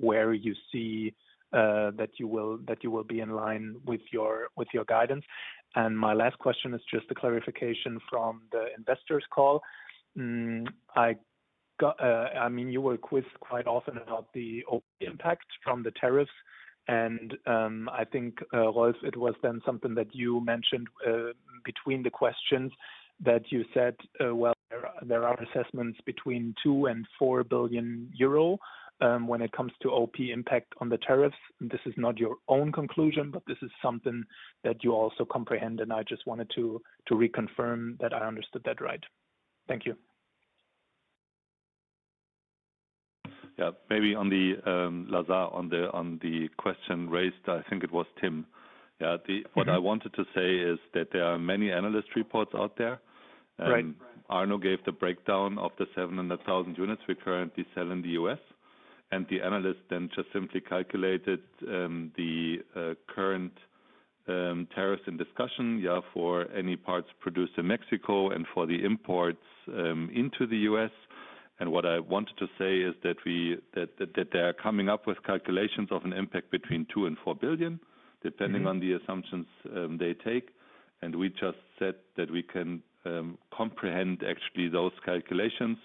Speaker 16: where you see that you will be in line with your guidance. My last question is just a clarification from the investors' call. I mean, you were quizzed quite often about the impact from the tariffs. I think, Rolf, it was then something that you mentioned between the questions that you said, there are assessments between 2 billion and 4 billion euro when it comes to OP impact on the tariffs. This is not your own conclusion, but this is something that you also comprehend, and I just wanted to reconfirm that I understood that right. Thank you.
Speaker 3: Maybe on the Lazar, on the question raised, I think it was Tim. What I wanted to say is that there are many analyst reports out there. Arno gave the breakdown of the 700,000 units we currently sell in the U.S. And the analyst then just simply calculated the current tariffs in discussion, for any parts produced in Mexico and for the imports into the U.S. What I wanted to say is that they are coming up with calculations of an impact between 2 billion-4 billion, depending on the assumptions they take. We just said that we can comprehend actually those calculations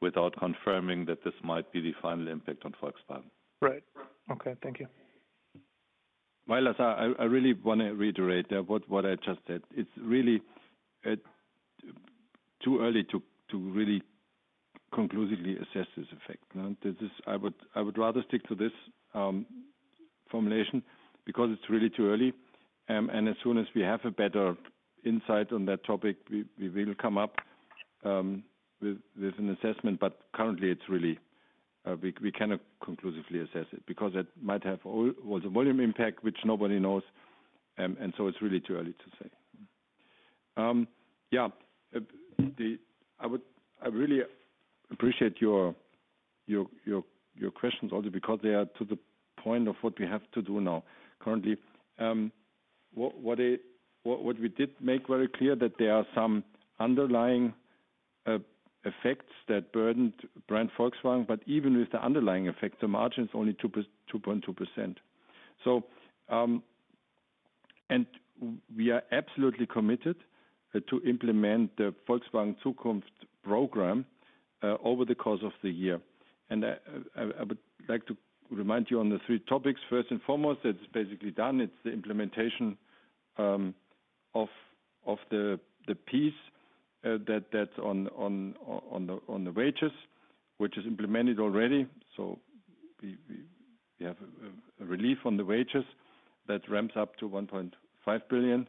Speaker 3: without confirming that this might be the final impact on Volkswagen.
Speaker 16: Right. Okay. Thank you.
Speaker 4: My Lazar, I really want to reiterate what I just said. It's really too early to really conclusively assess this effect. I would rather stick to this formulation because it's really too early. As soon as we have a better insight on that topic, we will come up with an assessment. Currently, we cannot conclusively assess it because it might have also volume impact, which nobody knows. It's really too early to say. Yeah, I really appreciate your questions also because they are to the point of what we have to do now currently. What we did make very clear is that there are some underlying effects that burdened brand Volkswagen, but even with the underlying effect, the margin is only 2.2%. We are absolutely committed to implement the Volkswagen Zukunft program over the course of the year. I would like to remind you on the three topics. First and foremost, that's basically done. It's the implementation of the piece that's on the wages, which is implemented already. We have a relief on the wages that ramps up to 1.5 billion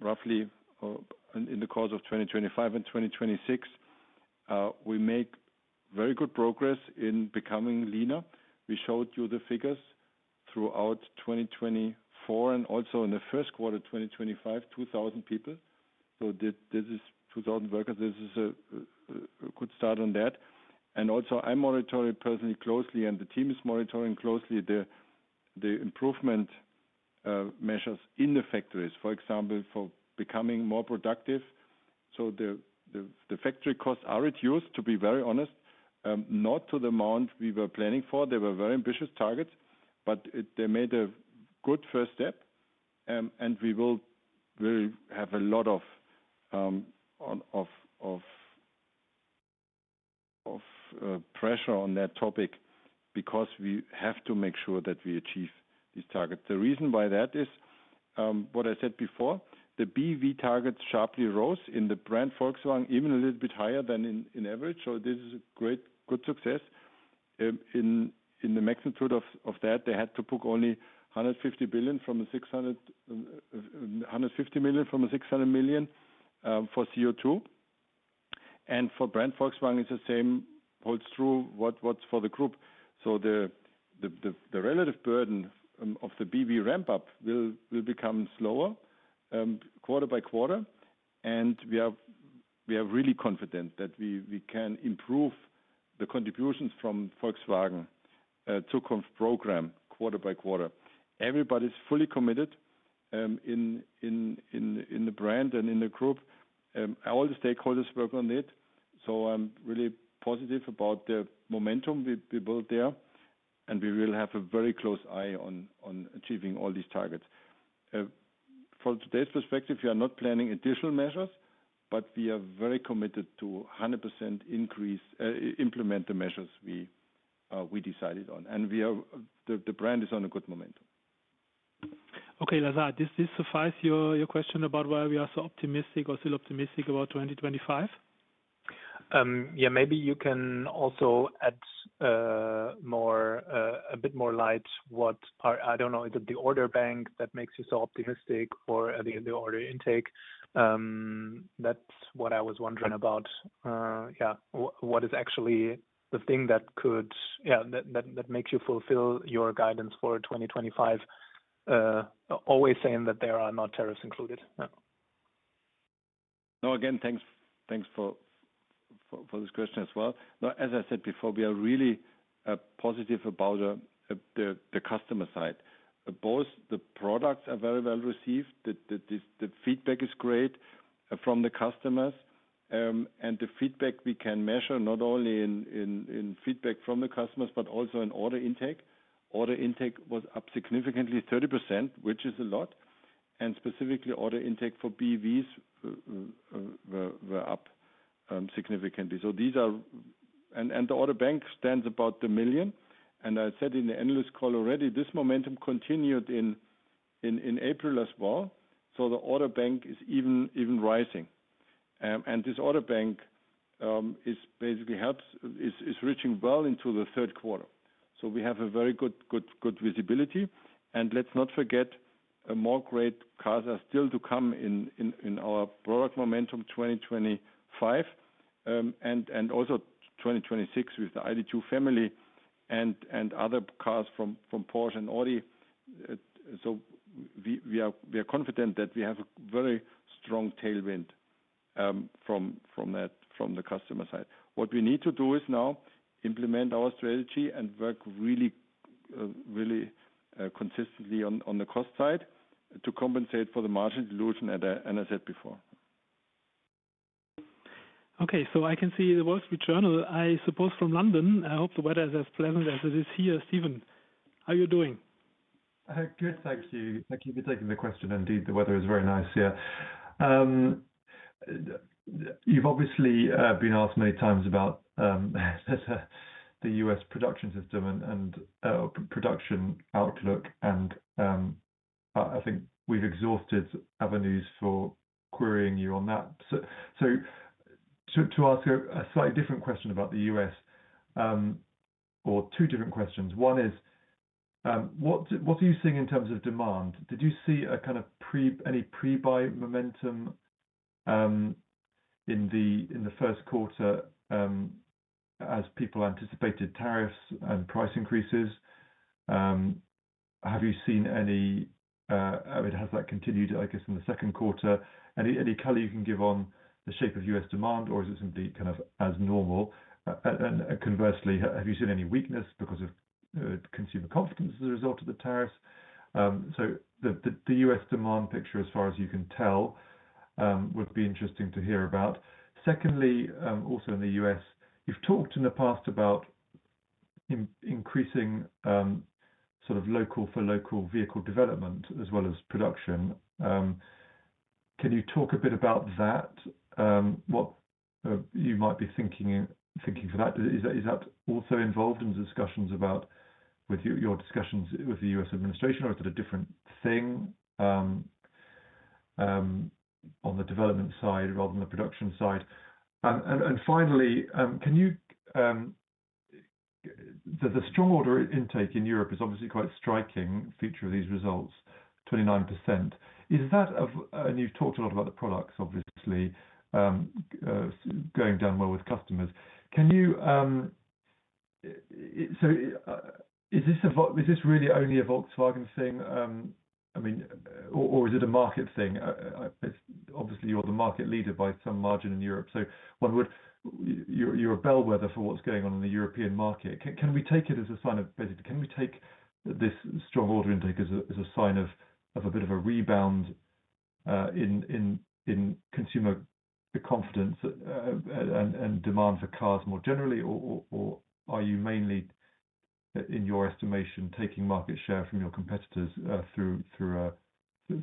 Speaker 4: roughly in the course of 2025 and 2026. We make very good progress in becoming leaner. We showed you the figures throughout 2024 and also in the first quarter of 2025, 2,000 people. This is 2,000 workers. This is a good start on that. I monitor it personally closely, and the team is monitoring closely the improvement measures in the factories, for example, for becoming more productive. The factory costs are reduced, to be very honest, not to the amount we were planning for. They were very ambitious targets, but they made a good first step. We will have a lot of pressure on that topic because we have to make sure that we achieve these targets. The reason why that is what I said before. The BEV targets sharply rose in the brand Volkswagen, even a little bit higher than on average. This is a great good success. In the maximum truth of that, they had to book only 150 million from a 600 million for CO2. For brand Volkswagen, the same holds true as for the group. The relative burden of the BEV ramp-up will become slower quarter-by-quarter. We are really confident that we can improve the contributions from the Volkswagen Zukunft program quarter-by-quarter. everybody is fully committed in the brand and in the group. All the stakeholders work on it. I am really positive about the momentum we built there. We will have a very close eye on achieving all these targets. From today's perspective, we are not planning additional measures, but we are very committed to 100% increase, implement the measures we decided on. The brand is on a good momentum.
Speaker 3: Okay, Lazar, does this suffice your question about why we are so optimistic or still optimistic about 2025?
Speaker 16: Maybe you can also add a bit more light. I do not know. Is it the order bank that makes you so optimistic or the order intake? That's what I was wondering about. Yeah, what is actually the thing that could, yeah, that makes you fulfill your guidance for 2025, always saying that there are not tariffs included?
Speaker 4: No, again, thanks for this question as well. As I said before, we are really positive about the customer side. Both the products are very well received. The feedback is great from the customers. And the feedback we can measure not only in feedback from the customers, but also in order intake. Order intake was up significantly, 30%, which is a lot. And specifically, order intake for BEVs were up significantly. These are, and the order bank stands about the million. I said in the analyst call already, this momentum continued in April as well. The order bank is even rising. This order bank basically helps, is reaching well into the third quarter. We have very good visibility. Let's not forget, more great cars are still to come in our product momentum 2025. Also 2026 with the ID.2 family and other cars from Porsche and Audi. We are confident that we have a very strong tailwind from the customer side. What we need to do is now implement our strategy and work really consistently on the cost side to compensate for the margin dilution, as I said before. I can see The Wall Street Journal, I suppose, from London. I hope the weather is as pleasant as it is here. Stephen, how are you doing?
Speaker 17: Good, thank you. Thank you for taking the question. Indeed, the weather is very nice here. You've obviously been asked many times about the U.S. production system and production outlook. I think we've exhausted avenues for querying you on that. To ask a slightly different question about the U.S., or two different questions. One is, what are you seeing in terms of demand? Did you see any pre-buy momentum in the first quarter as people anticipated tariffs and price increases? Have you seen any, I mean, has that continued, I guess, in the second quarter? Any color you can give on the shape of U.S. demand, or is it simply kind of as normal? Conversely, have you seen any weakness because of consumer confidence as a result of the tariffs? The U.S. demand picture, as far as you can tell, would be interesting to hear about. Secondly, also in the U.S., you've talked in the past about increasing sort of local for local vehicle development as well as production. Can you talk a bit about that? What you might be thinking for that? Is that also involved in discussions about with your discussions with the U.S. administration, or is it a different thing on the development side rather than the production side? Finally, can you the strong order intake in Europe is obviously quite striking feature of these results, 29%. Is that, and you've talked a lot about the products, obviously, going down well with customers. Can you, so is this really only a Volkswagen thing? I mean, or is it a market thing? Obviously, you're the market leader by some margin in Europe. One would you're a bellwether for what's going on in the European market. Can we take it as a sign of, basically, can we take this strong order intake as a sign of a bit of a rebound in consumer confidence and demand for cars more generally, or are you mainly, in your estimation, taking market share from your competitors through a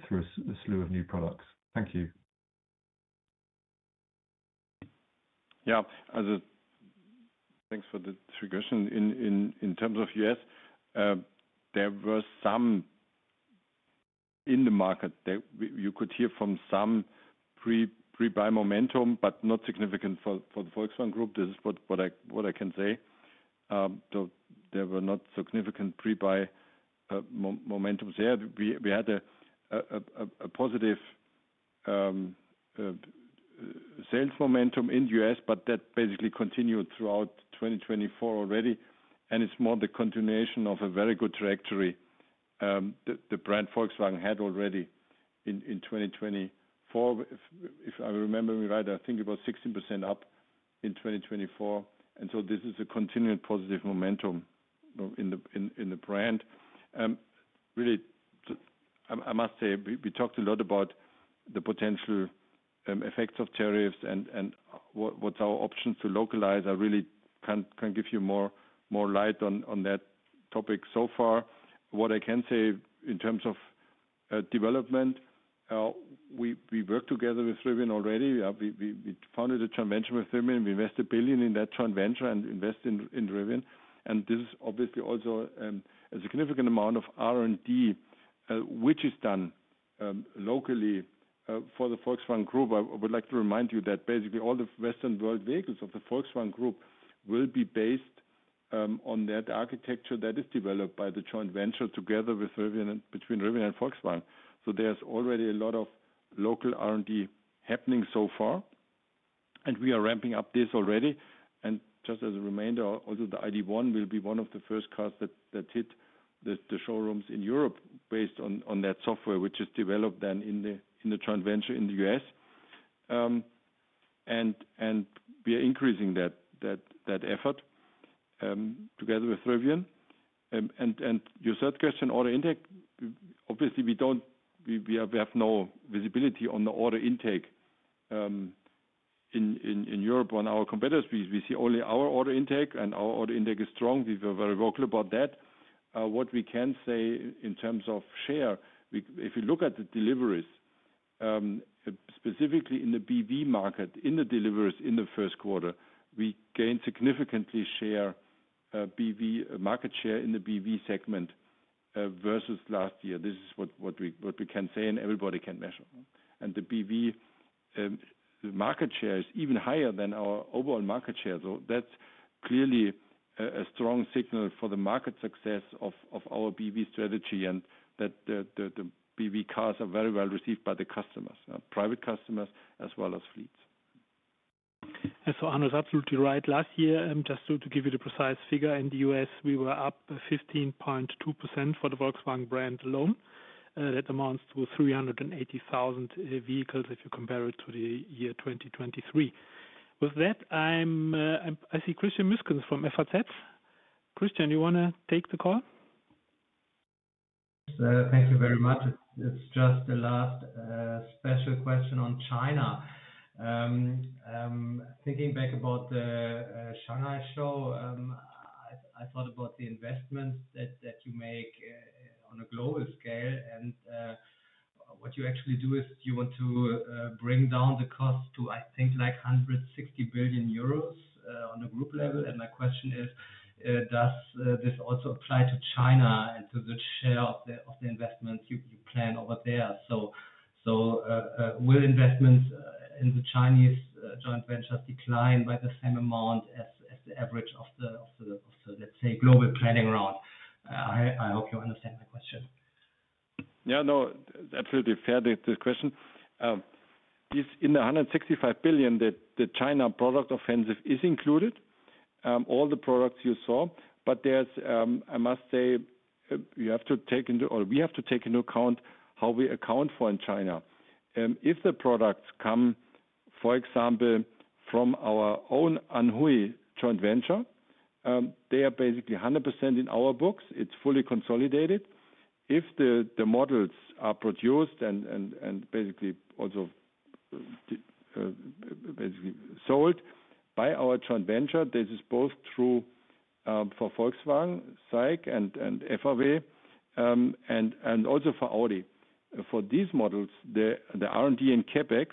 Speaker 17: slew of new products? Thank you.
Speaker 4: Yeah, thanks for the question. In terms of U.S., there were some in the market that you could hear from some pre-buy momentum, but not significant for the Volkswagen Group. This is what I can say. There were not significant pre-buy momentums here. We had a positive sales momentum in the U.S., but that basically continued throughout 2024 already. It is more the continuation of a very good trajectory the brand Volkswagen had already in 2024. If I remember me right, I think it was 16% up in 2024. This is a continued positive momentum in the brand. Really, I must say, we talked a lot about the potential effects of tariffs and what our options to localize are. I really can give you more light on that topic so far. What I can say in terms of development, we work together with Rivian already. We founded a joint venture with Rivian. We invest 1 billion in that joint venture and invest in Rivian. This is obviously also a significant amount of R&D, which is done locally for the Volkswagen Group. I would like to remind you that basically all the Western world vehicles of the Volkswagen Group will be based on that architecture that is developed by the joint venture together between Rivian and Volkswagen. There is already a lot of local R&D happening so far. We are ramping up this already. Just as a reminder, also the ID.1 will be one of the first cars that hit the showrooms in Europe based on that software, which is developed then in the joint venture in the U.S. We are increasing that effort together with Rivian. Your third question, order intake, obviously, we have no visibility on the order intake in Europe on our competitors. We see only our order intake, and our order intake is strong. We were very vocal about that. What we can say in terms of share, if you look at the deliveries, specifically in the BEV market, in the deliveries in the first quarter, we gained significant share, BEV market share in the BEV segment versus last year. This is what we can say, and everybody can measure. The BEV market share is even higher than our overall market share. That is clearly a strong signal for the market success of our BEV strategy and that the BEV cars are very well received by the customers, private customers, as well as fleets. Arno is absolutely right. Last year, just to give you the precise figure, in the U.S., we were up 15.2% for the Volkswagen brand alone. That amounts to 380,000 vehicles if you compare it to the year 2023.
Speaker 3: With that, I see Christian Miskins from FRZ. Christian, you want to take the call?
Speaker 18: Thank you very much. It is just the last special question on China. Thinking back about the Shanghai show, I thought about the investments that you make on a global scale. What you actually do is you want to bring down the cost to, I think, like 160 billion euros on a group level. My question is, does this also apply to China and to the share of the investments you plan over there? Will investments in the Chinese joint ventures decline by the same amount as the average of the, let's say, global planning round? I hope you understand my question.
Speaker 4: Yeah, absolutely fair, this question. In the 165 billion, the China product offensive is included, all the products you saw. I must say, you have to take into account how we account for in China. If the products come, for example, from our own Anhui joint venture, they are basically 100% in our books. It is fully consolidated. If the models are produced and also sold by our joint venture, this is both true for Volkswagen, SAIC, and FAW, and also for Audi. For these models, the R&D and CapEx,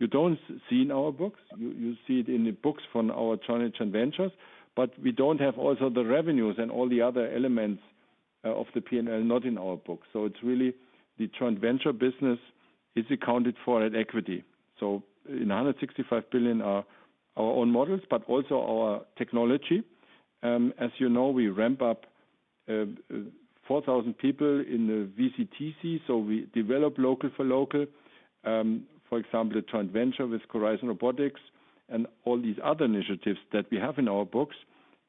Speaker 4: you don't see in our books. You see it in the books from our Chinese joint ventures. We don't have also the revenues and all the other elements of the P&L not in our books. It is really the joint venture business is accounted for at equity. In 165 billion, our own models, but also our technology. As you know, we ramp up 4,000 people in the VCTC. We develop local for local. For example, the joint venture with Horizon Robotics and all these other initiatives that we have in our books,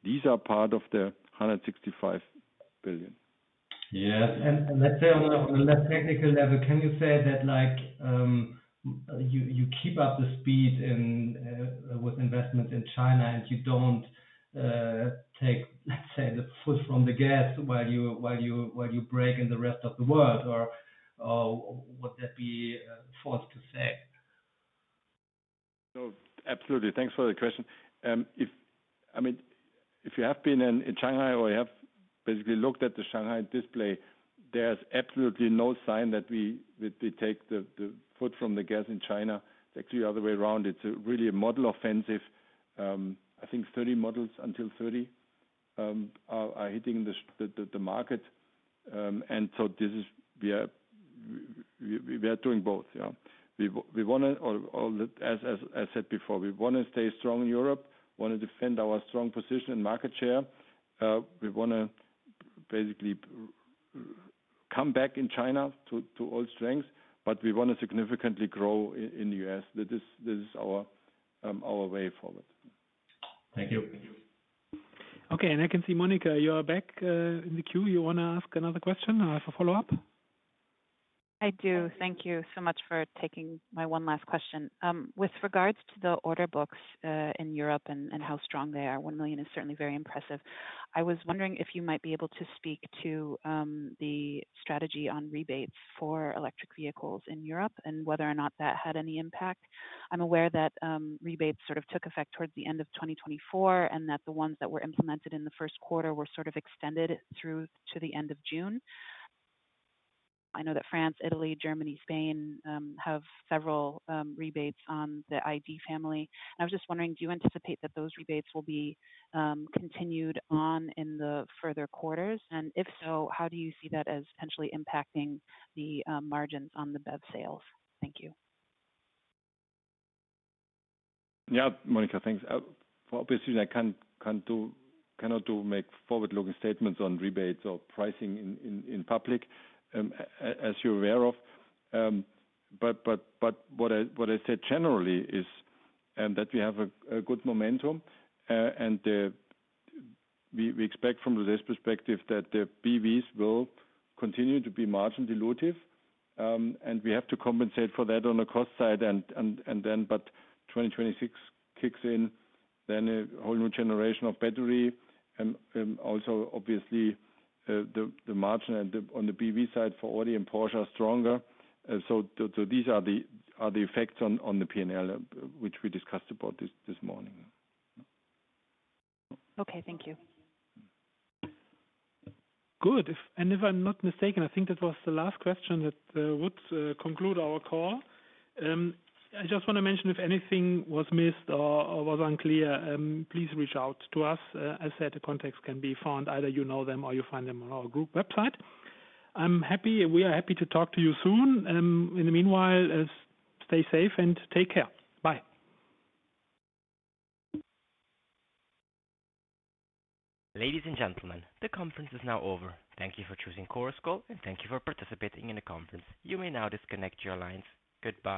Speaker 4: these are part of the 165 billion.
Speaker 18: Yes. Let's say on a less technical level, can you say that you keep up the speed with investments in China and you don't take, let's say, the foot from the gas while you brake in the rest of the world, or would that be false to say?
Speaker 4: No, absolutely. Thanks for the question. I mean, if you have been in Shanghai or you have basically looked at the Shanghai display, there's absolutely no sign that we take the foot from the gas in China. It's actually the other way around. It's really a model offensive. I think 30 models until 2030 are hitting the market. This is, we are doing both. Yeah. We want to, as I said before, we want to stay strong in Europe, want to defend our strong position in market share. We want to basically come back in China to all strengths, but we want to significantly grow in the U.S. This is our way forward.
Speaker 18: Thank you.
Speaker 3: Okay. I can see Monica, you are back in the queue. You want to ask another question for follow-up?
Speaker 15: I do. Thank you so much for taking my one last question. With regards to the order books in Europe and how strong they are, 1 million is certainly very impressive. I was wondering if you might be able to speak to the strategy on rebates for electric vehicles in Europe and whether or not that had any impact. I am aware that rebates sort of took effect towards the end of 2024 and that the ones that were implemented in the first quarter were sort of extended through to the end of June. I know that France, Italy, Germany, Spain have several rebates on the ID family. I was just wondering, do you anticipate that those rebates will be continued on in the further quarters? If so, how do you see that as potentially impacting the margins on the BEV sales? Thank you.
Speaker 4: Yeah, Monica, thanks. Obviously, I cannot make forward-looking statements on rebates or pricing in public, as you're aware of. What I said generally is that we have a good momentum. We expect from this perspective that the BEVs will continue to be margin dilutive. We have to compensate for that on the cost side. When 2026 kicks in, a whole new generation of battery comes. Also, obviously, the margin on the BEV side for Audi and Porsche is stronger. These are the effects on the P&L, which we discussed about this morning.
Speaker 15: Okay, thank you.
Speaker 3: Good. If I'm not mistaken, I think that was the last question that would conclude our call. I just want to mention, if anything was missed or was unclear, please reach out to us. As I said, the context can be found. Either you know them or you find them on our group website. I'm happy. We are happy to talk to you soon. In the meanwhile, stay safe and take care. Bye.
Speaker 1: Ladies and gentlemen, the conference is now over. Thank you for choosing Chorus Call, and thank you for participating in the conference. You may now disconnect your lines. Goodbye.